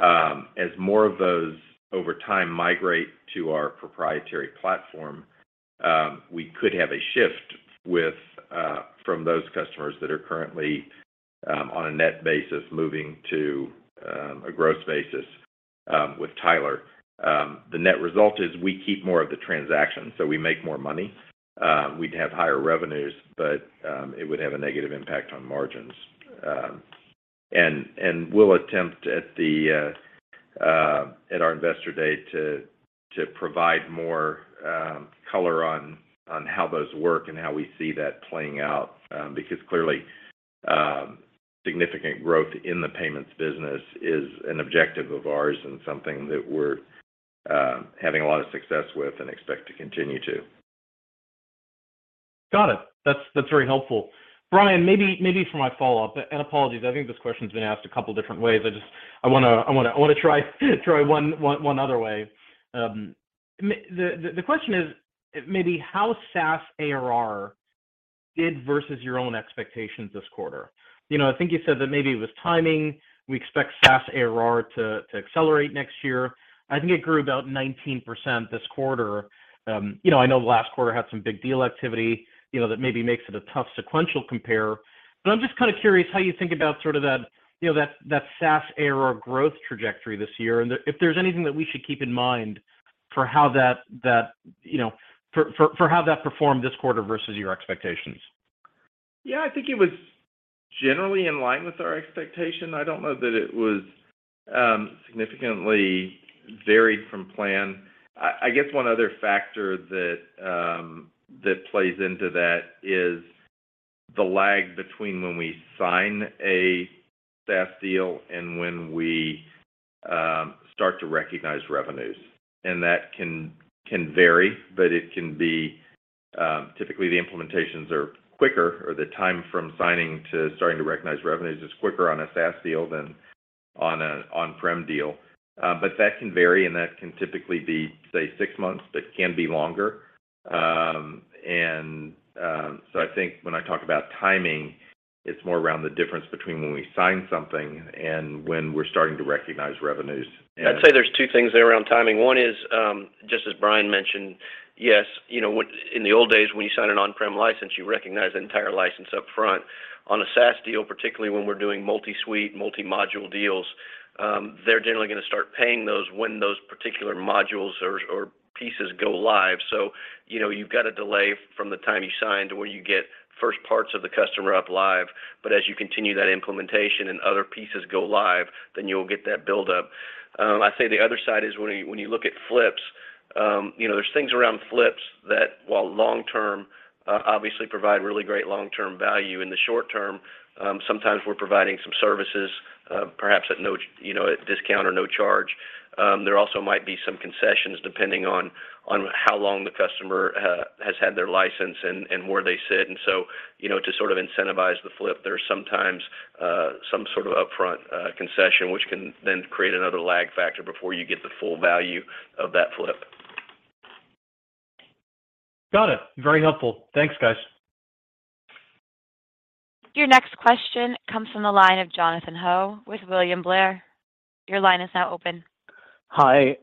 Speaker 4: As more of those over time migrate to our proprietary platform, we could have a shift with from those customers that are currently on a net basis moving to a gross basis with Tyler. The net result is we keep more of the transactions. We make more money. We'd have higher revenues, it would have a negative impact on margins. We'll attempt at the investor day to provide more color on how those work and how we see that playing out. Clearly, significant growth in the payments business is an objective of ours and something that we're having a lot of success with and expect to continue to.
Speaker 11: Got it. That's very helpful. Brian, maybe for my follow-up, apologies, I think this question's been asked a couple different ways. I wanna try one other way. The question is maybe how SaaS ARR did versus your own expectations this quarter. You know, I think you said that maybe it was timing. We expect SaaS ARR to accelerate next year. I think it grew about 19% this quarter. You know, I know the last quarter had some big deal activity, you know, that maybe makes it a tough sequential compare. I'm just kind of curious how you think about sort of that, you know, that SaaS ARR growth trajectory this year, and if there's anything that we should keep in mind for how that, you know for how that performed this quarter versus your expectations?
Speaker 4: Yeah. I think it was generally in line with our expectation. I don't know that it was significantly varied from plan. I guess one other factor that plays into that is the lag between when we sign a SaaS deal and when we start to recognize revenues. That can vary, but it can be typically the implementations are quicker, or the time from signing to starting to recognize revenues is quicker on a SaaS deal than on a on-prem deal. That can vary, and that can typically be, say, 6 months, but it can be longer. I think when I talk about timing, it's more around the difference between when we sign something and when we're starting to recognize revenues.
Speaker 3: I'd say there's two things there around timing. One is, just as Brian mentioned, yes, you know what, in the old days, when you sign an on-prem license, you recognize the entire license up front. On a SaaS deal, particularly when we're doing multi-suite, multi-module deals, they're generally gonna start paying those when those particular modules or pieces go live. You know, you've got a delay from the time you sign to where you get first parts of the customer up live. As you continue that implementation and other pieces go live, then you'll get that build up. I'd say the other side is when you, when you look at flips, you know, there's things around flips that while long-term, obviously provide really great long-term value. In the short term, sometimes we're providing some services, perhaps at no you know, at discount or no charge. There also might be some concessions depending on how long the customer has had their license and where they sit. You know, to sort of incentivize the flip, there's sometimes some sort of upfront concession, which can then create another lag factor before you get the full value of that flip.
Speaker 11: Got it. Very helpful. Thanks, guys.
Speaker 1: Your next question comes from the line of Jonathan Ho with William Blair. Your line is now open.
Speaker 12: Hi.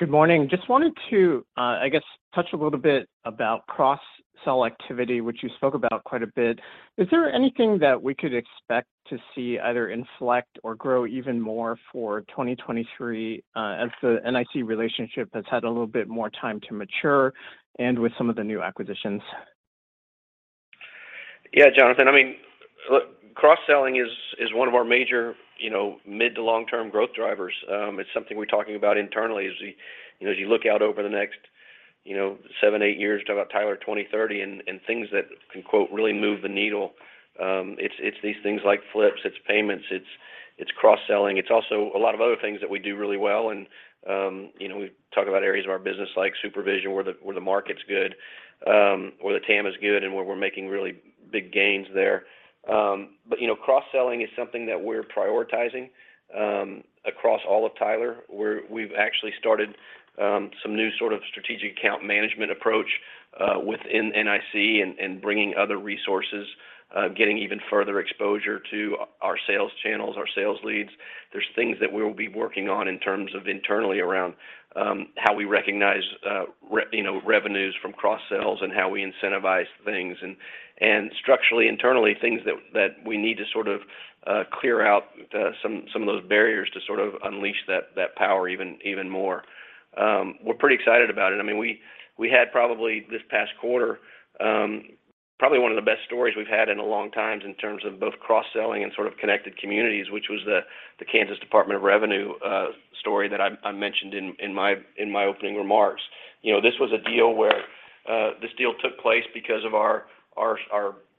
Speaker 12: Good morning. Just wanted to, I guess, touch a little bit about cross-sell activity, which you spoke about quite a bit. Is there anything that we could expect to see either inflect or grow even more for 2023, as the NIC relationship has had a little bit more time to mature and with some of the new acquisitions?
Speaker 3: Yeah, Jonathan. I mean, look, cross-selling is one of our major, you know, mid to long term growth drivers. It's something we're talking about internally as you look out over the next, you know, seven, eight years, talk about Tyler 2030 and things that can, quote, "really move the needle." It's these things like flips, it's payments, it's cross-selling. It's also a lot of other things that we do really well. You know, we talk about areas of our business like supervision, where the market's good, where the TAM is good, and where we're making really big gains there. You know, cross-selling is something that we're prioritizing across all of Tyler, where we've actually started some new sort of strategic account management approach within NIC and bringing other resources, getting even further exposure to our sales channels, our sales leads. There's things that we'll be working on in terms of internally around how we recognize, you know, revenues from cross-sells and how we incentivize things and structurally, internally, things that we need to sort of clear out some of those barriers to sort of unleash that power even more. We're pretty excited about it. I mean, we had probably this past quarter, probably one of the best stories we've had in a long time in terms of both cross-selling and sort of Connected Communities, which was the Kansas Department of Revenue story that I mentioned in my opening remarks. You know, this was a deal where this deal took place because of our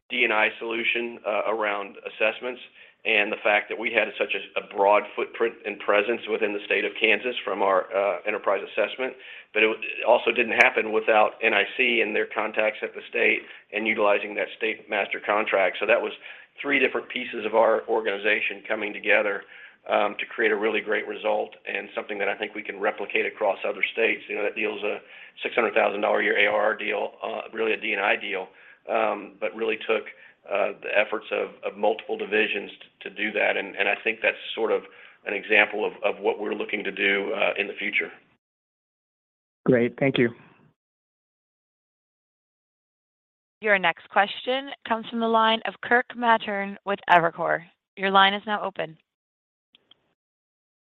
Speaker 3: D&I solution around assessments and the fact that we had such a broad footprint and presence within the state of Kansas from our Enterprise Assessment. It also didn't happen without NIC and their contacts at the state and utilizing that state master contract. That was three different pieces of our organization coming together to create a really great result and something that I think we can replicate across other states. You know, that deal is a $600,000 a year ARR deal, really a D&I deal, but really took the efforts of multiple divisions to do that. I think that's sort of an example of what we're looking to do in the future.
Speaker 12: Great. Thank you.
Speaker 1: Your next question comes from the line of Kirk Materne with Evercore. Your line is now open.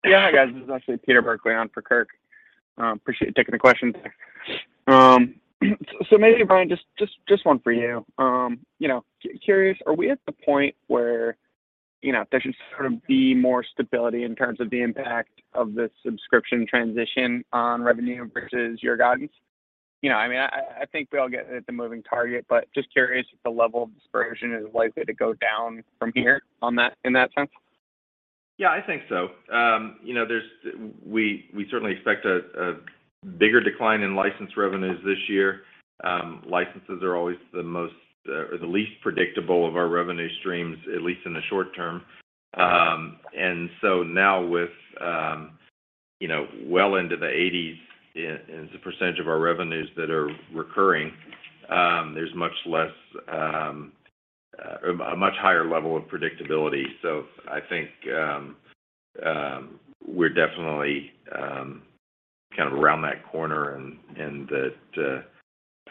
Speaker 8: Yeah. Hi guys, this is actually Peter Heckmann on for Kirk. Appreciate you taking the questions. Maybe Brian Miller, just one for you. You know, curious, are we at the point where, you know, there should sort of be more stability in terms of the impact of the subscription transition on revenue versus your guidance? You know, I mean, I think we all get it's a moving target, but just curious if the level of dispersion is likely to go down from here on that, in that sense.
Speaker 4: Yeah, I think so. You know, we certainly expect a bigger decline in license revenues this year. Licenses are always the most or the least predictable of our revenue streams, at least in the short term. Now with, you know, well into the 80s in, as a percentage of our revenues that are recurring, a much higher level of predictability. I think we're definitely kind of around that corner and that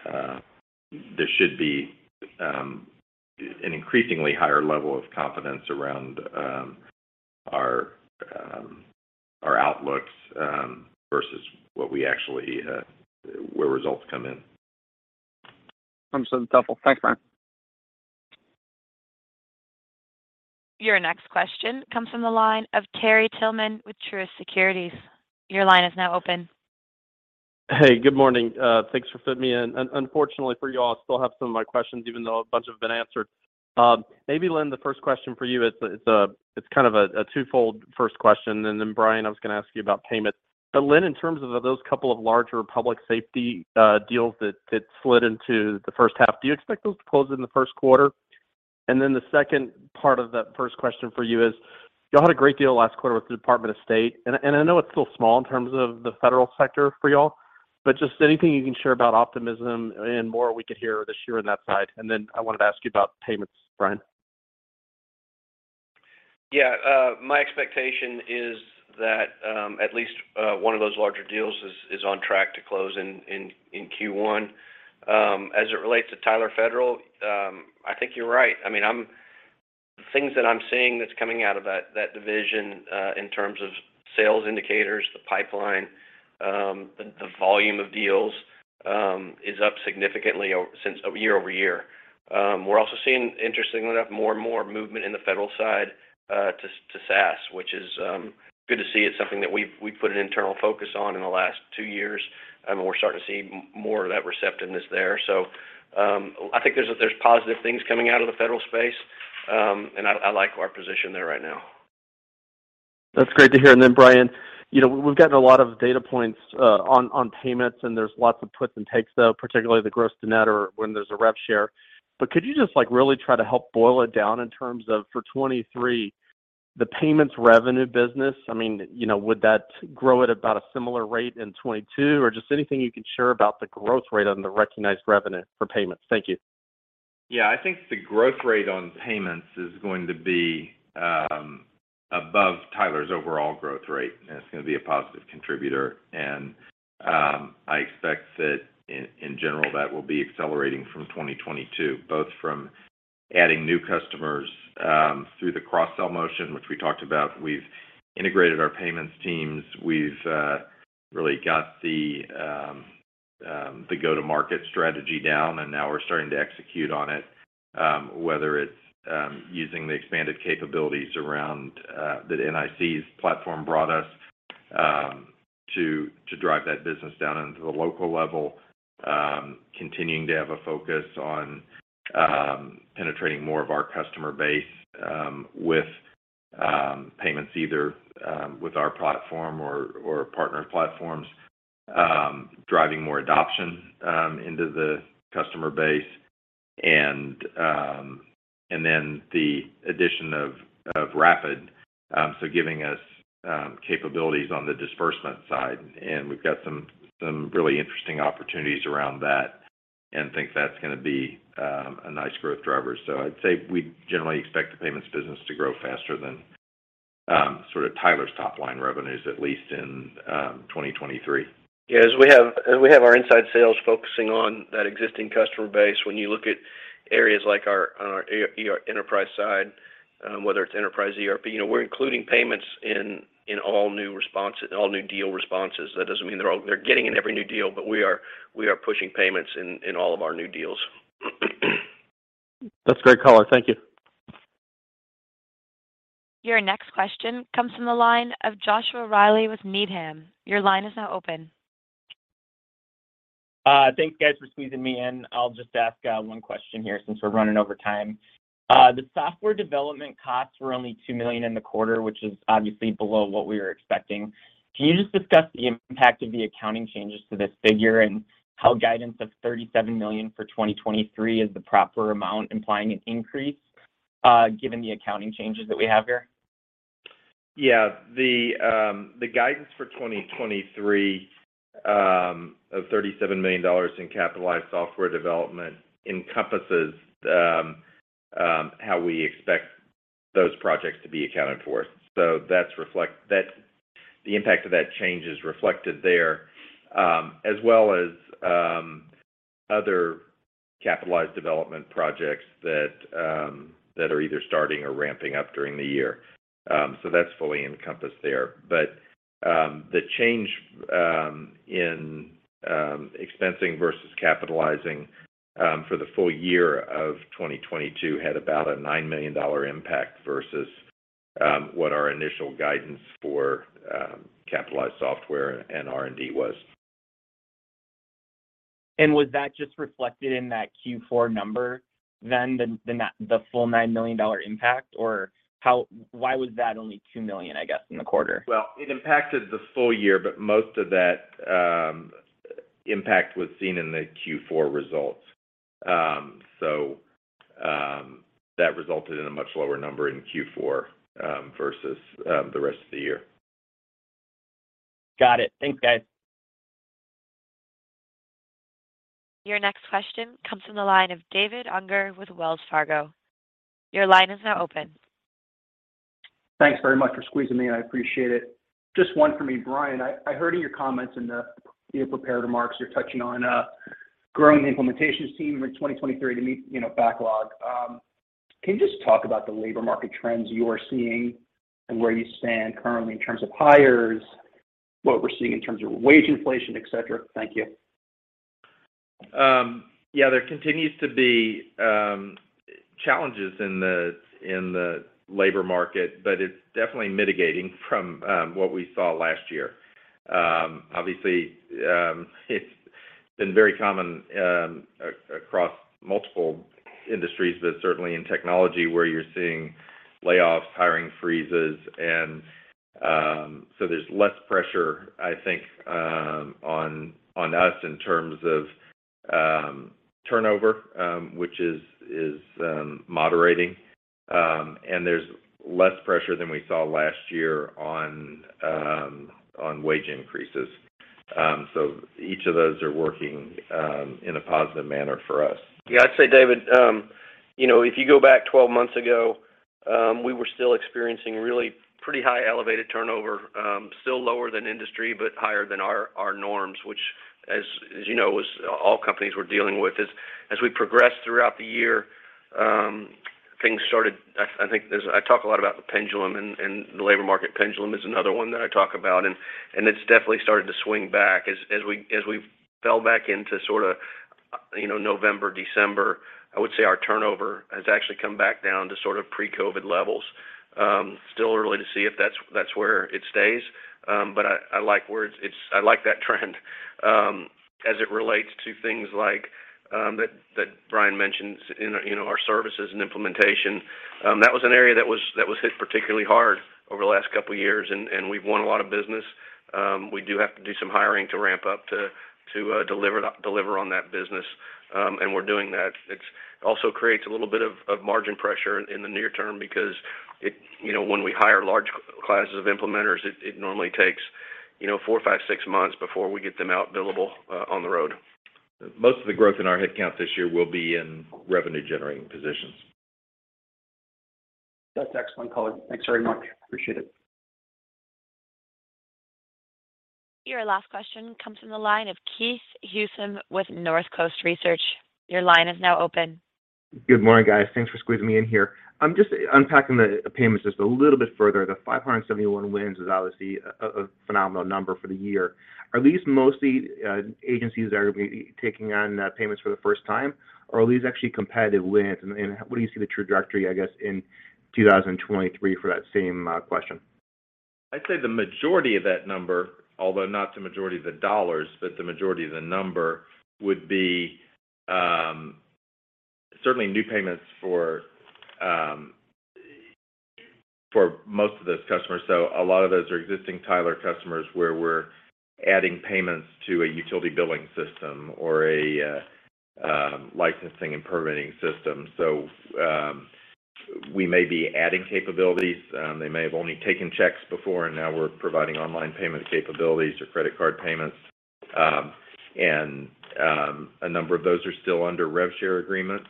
Speaker 4: there should be an increasingly higher level of confidence around our outlooks versus what we actually where results come in.
Speaker 8: Awesome. It's helpful. Thanks, Brian.
Speaker 1: Your next question comes from the line of Terry Tillman with Truist Securities. Your line is now open.
Speaker 13: Good morning. Thanks for fitting me in. Unfortunately for you all, I still have some of my questions, even though a bunch have been answered. Maybe Lynn, the first question for you is, it's kind of a twofold first question, and then Brian, I was gonna ask you about payments. Lynn, in terms of those couple of larger public safety deals that slid into the first half, do you expect those to close in the first quarter? The second part of that first question for you is, y'all had a great deal last quarter with the U.S. Department of State and I know it's still small in terms of the federal sector for y'all, but just anything you can share about optimism and more we could hear this year on that side. I wanted to ask you about payments, Brian.
Speaker 4: My expectation is that at least one of those larger deals is on track to close in Q1. As it relates to Tyler Federal, I think you're right. I mean, the things that I'm seeing that's coming out of that division, in terms of sales indicators, the pipeline, the volume of deals, is up significantly since year-over-year. We're also seeing, interestingly enough, more and more movement in the federal side to SaaS, which is good to see. It's something that we've put an internal focus on in the last two years, and we're starting to see more of that receptiveness there. I think there's positive things coming out of the federal space, and I like our position there right now.
Speaker 13: That's great to hear. Brian, you know, we've gotten a lot of data points, on payments, and there's lots of puts and takes though, particularly the gross to net or when there's a rev share. Could you just like really try to help boil it down in terms of for 2023, the payments revenue business, I mean, you know, would that grow at about a similar rate in 2022 or just anything you can share about the growth rate on the recognized revenue for payments? Thank you.
Speaker 4: Yeah. I think the growth rate on payments is going to be above Tyler's overall growth rate, and it's gonna be a positive contributor. I expect that in general, that will be accelerating from 2022, both from adding new customers through the cross-sell motion, which we talked about. We've integrated our payments teams. We've really got the go-to-market strategy down, and now we're starting to execute on it. Whether it's using the expanded capabilities around that NIC's platform brought us to drive that business down into the local level. Continuing to have a focus on penetrating more of our customer base with payments either with our platform or partner platforms. Driving more adoption into the customer base and then the addition of Rapid. Giving us capabilities on the disbursement side, and we've got some really interesting opportunities around that and think that's gonna be a nice growth driver. I'd say we generally expect the payments business to grow faster than sort of Tyler's top line revenues, at least in 2023.
Speaker 3: Yeah. As we have our inside sales focusing on that existing customer base, when you look at areas like our, on our enterprise side, whether it's Enterprise ERP, you know, we're including payments in all new responses, all new deal responses. That doesn't mean they're all getting in every new deal, but we are pushing payments in all of our new deals.
Speaker 13: That's great color. Thank you.
Speaker 1: Your next question comes from the line of Joshua Reilly with Needham & Company. Your line is now open.
Speaker 14: Thanks guys for squeezing me in. I'll just ask one question here since we're running over time. The software development costs were only $2 million in the quarter, which is obviously below what we were expecting. Can you just discuss the impact of the accounting changes to this figure and how guidance of $37 million for 2023 is the proper amount implying an increase, given the accounting changes that we have here?
Speaker 4: The guidance for 2023 of $37 million in capitalized software development encompasses how we expect those projects to be accounted for. The impact of that change is reflected there, as well as other capitalized development projects that are either starting or ramping up during the year. That's fully encompassed there. The change in expensing versus capitalizing for the full year of 2022 had about a $9 million impact versus what our initial guidance for capitalized software and R&D was.
Speaker 14: Was that just reflected in that Q4 number then, the full $9 million impact? Or how? Why was that only $2 million, I guess, in the quarter?
Speaker 4: It impacted the full year, but most of that impact was seen in the Q4 results. That resulted in a much lower number in Q4 versus the rest of the year.
Speaker 14: Got it. Thanks, guys.
Speaker 1: Your next question comes from the line of David Unger with Wells Fargo. Your line is now open.
Speaker 15: Thanks very much for squeezing me in. I appreciate it. Just one for me. Brian, I heard in your comments in the, your prepared remarks, you're touching on growing the implementations team in 2023 to meet, you know, backlog. Can you just talk about the labor market trends you are seeing and where you stand currently in terms of hires, what we're seeing in terms of wage inflation, et cetera? Thank you.
Speaker 4: Yeah, there continues to be challenges in the labor market. It's definitely mitigating from what we saw last year. Obviously, it's been very common across multiple industries, but certainly in technology where you're seeing layoffs, hiring freezes, and there's less pressure, I think, on us in terms of turnover, which is moderating. There's less pressure than we saw last year on wage increases. Each of those are working in a positive manner for us.
Speaker 3: Yeah, I'd say, David, you know, if you go back 12 months ago, we were still experiencing really pretty high elevated turnover, still lower than industry, but higher than our norms, which as you know, was all companies were dealing with. As we progressed throughout the year, I talk a lot about the pendulum and the labor market pendulum is another one that I talk about, and it's definitely started to swing back. As we fell back into sorta, you know, November, December, I would say our turnover has actually come back down to sort of pre-COVID levels. Still early to see if that's where it stays, but I like where it's... I like that trend, as it relates to things like, that Brian mentions in, you know, our services and implementation. That was an area that was hit particularly hard over the last couple of years, and we've won a lot of business. We do have to do some hiring to ramp up to deliver on that business, and we're doing that. It's also creates a little bit of margin pressure in the near term because. You know, when we hire large classes of implementers, it normally takes, you know, four months, five months, six months before we get them out billable on the road.
Speaker 4: Most of the growth in our headcount this year will be in revenue-generating positions.
Speaker 15: That's excellent color. Thanks very much. Appreciate it.
Speaker 1: Your last question comes from the line of Keith Housum with Northcoast Research. Your line is now open.
Speaker 16: Good morning, guys. Thanks for squeezing me in here. I'm just unpacking the payments just a little bit further. The 571 wins is obviously a phenomenal number for the year. Are these mostly agencies that are gonna be taking on payments for the first time, or are these actually competitive wins? What do you see the trajectory, I guess, in 2023 for that same question?
Speaker 4: I'd say the majority of that number, although not the majority of the dollars, but the majority of the number would be certainly new payments for for most of those customers. A lot of those are existing Tyler customers where we're adding payments to a utility billing system or a licensing and permitting system. We may be adding capabilities. They may have only taken checks before, and now we're providing online payment capabilities or credit card payments. A number of those are still under rev share agreements.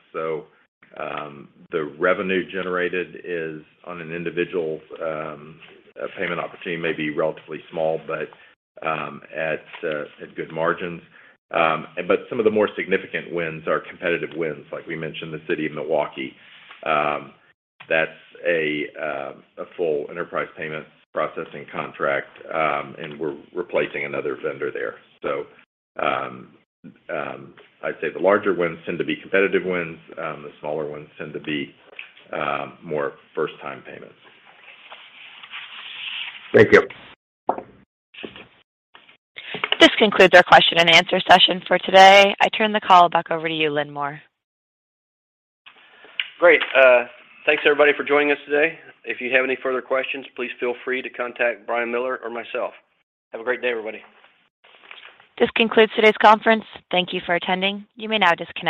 Speaker 4: The revenue generated is on an individual's payment opportunity may be relatively small, but at good margins. Some of the more significant wins are competitive wins. Like we mentioned, the City of Milwaukee, that's a full enterprise payment processing contract, and we're replacing another vendor there. I'd say the larger wins tend to be competitive wins. The smaller ones tend to be more first-time payments.
Speaker 16: Thank you.
Speaker 1: This concludes our question and answer session for today. I turn the call back over to you, Lynn Moore.
Speaker 3: Great. Thanks everybody for joining us today. If you have any further questions, please feel free to contact Brian Miller or myself. Have a great day, everybody.
Speaker 1: This concludes today's conference. Thank you for attending. You may now disconnect.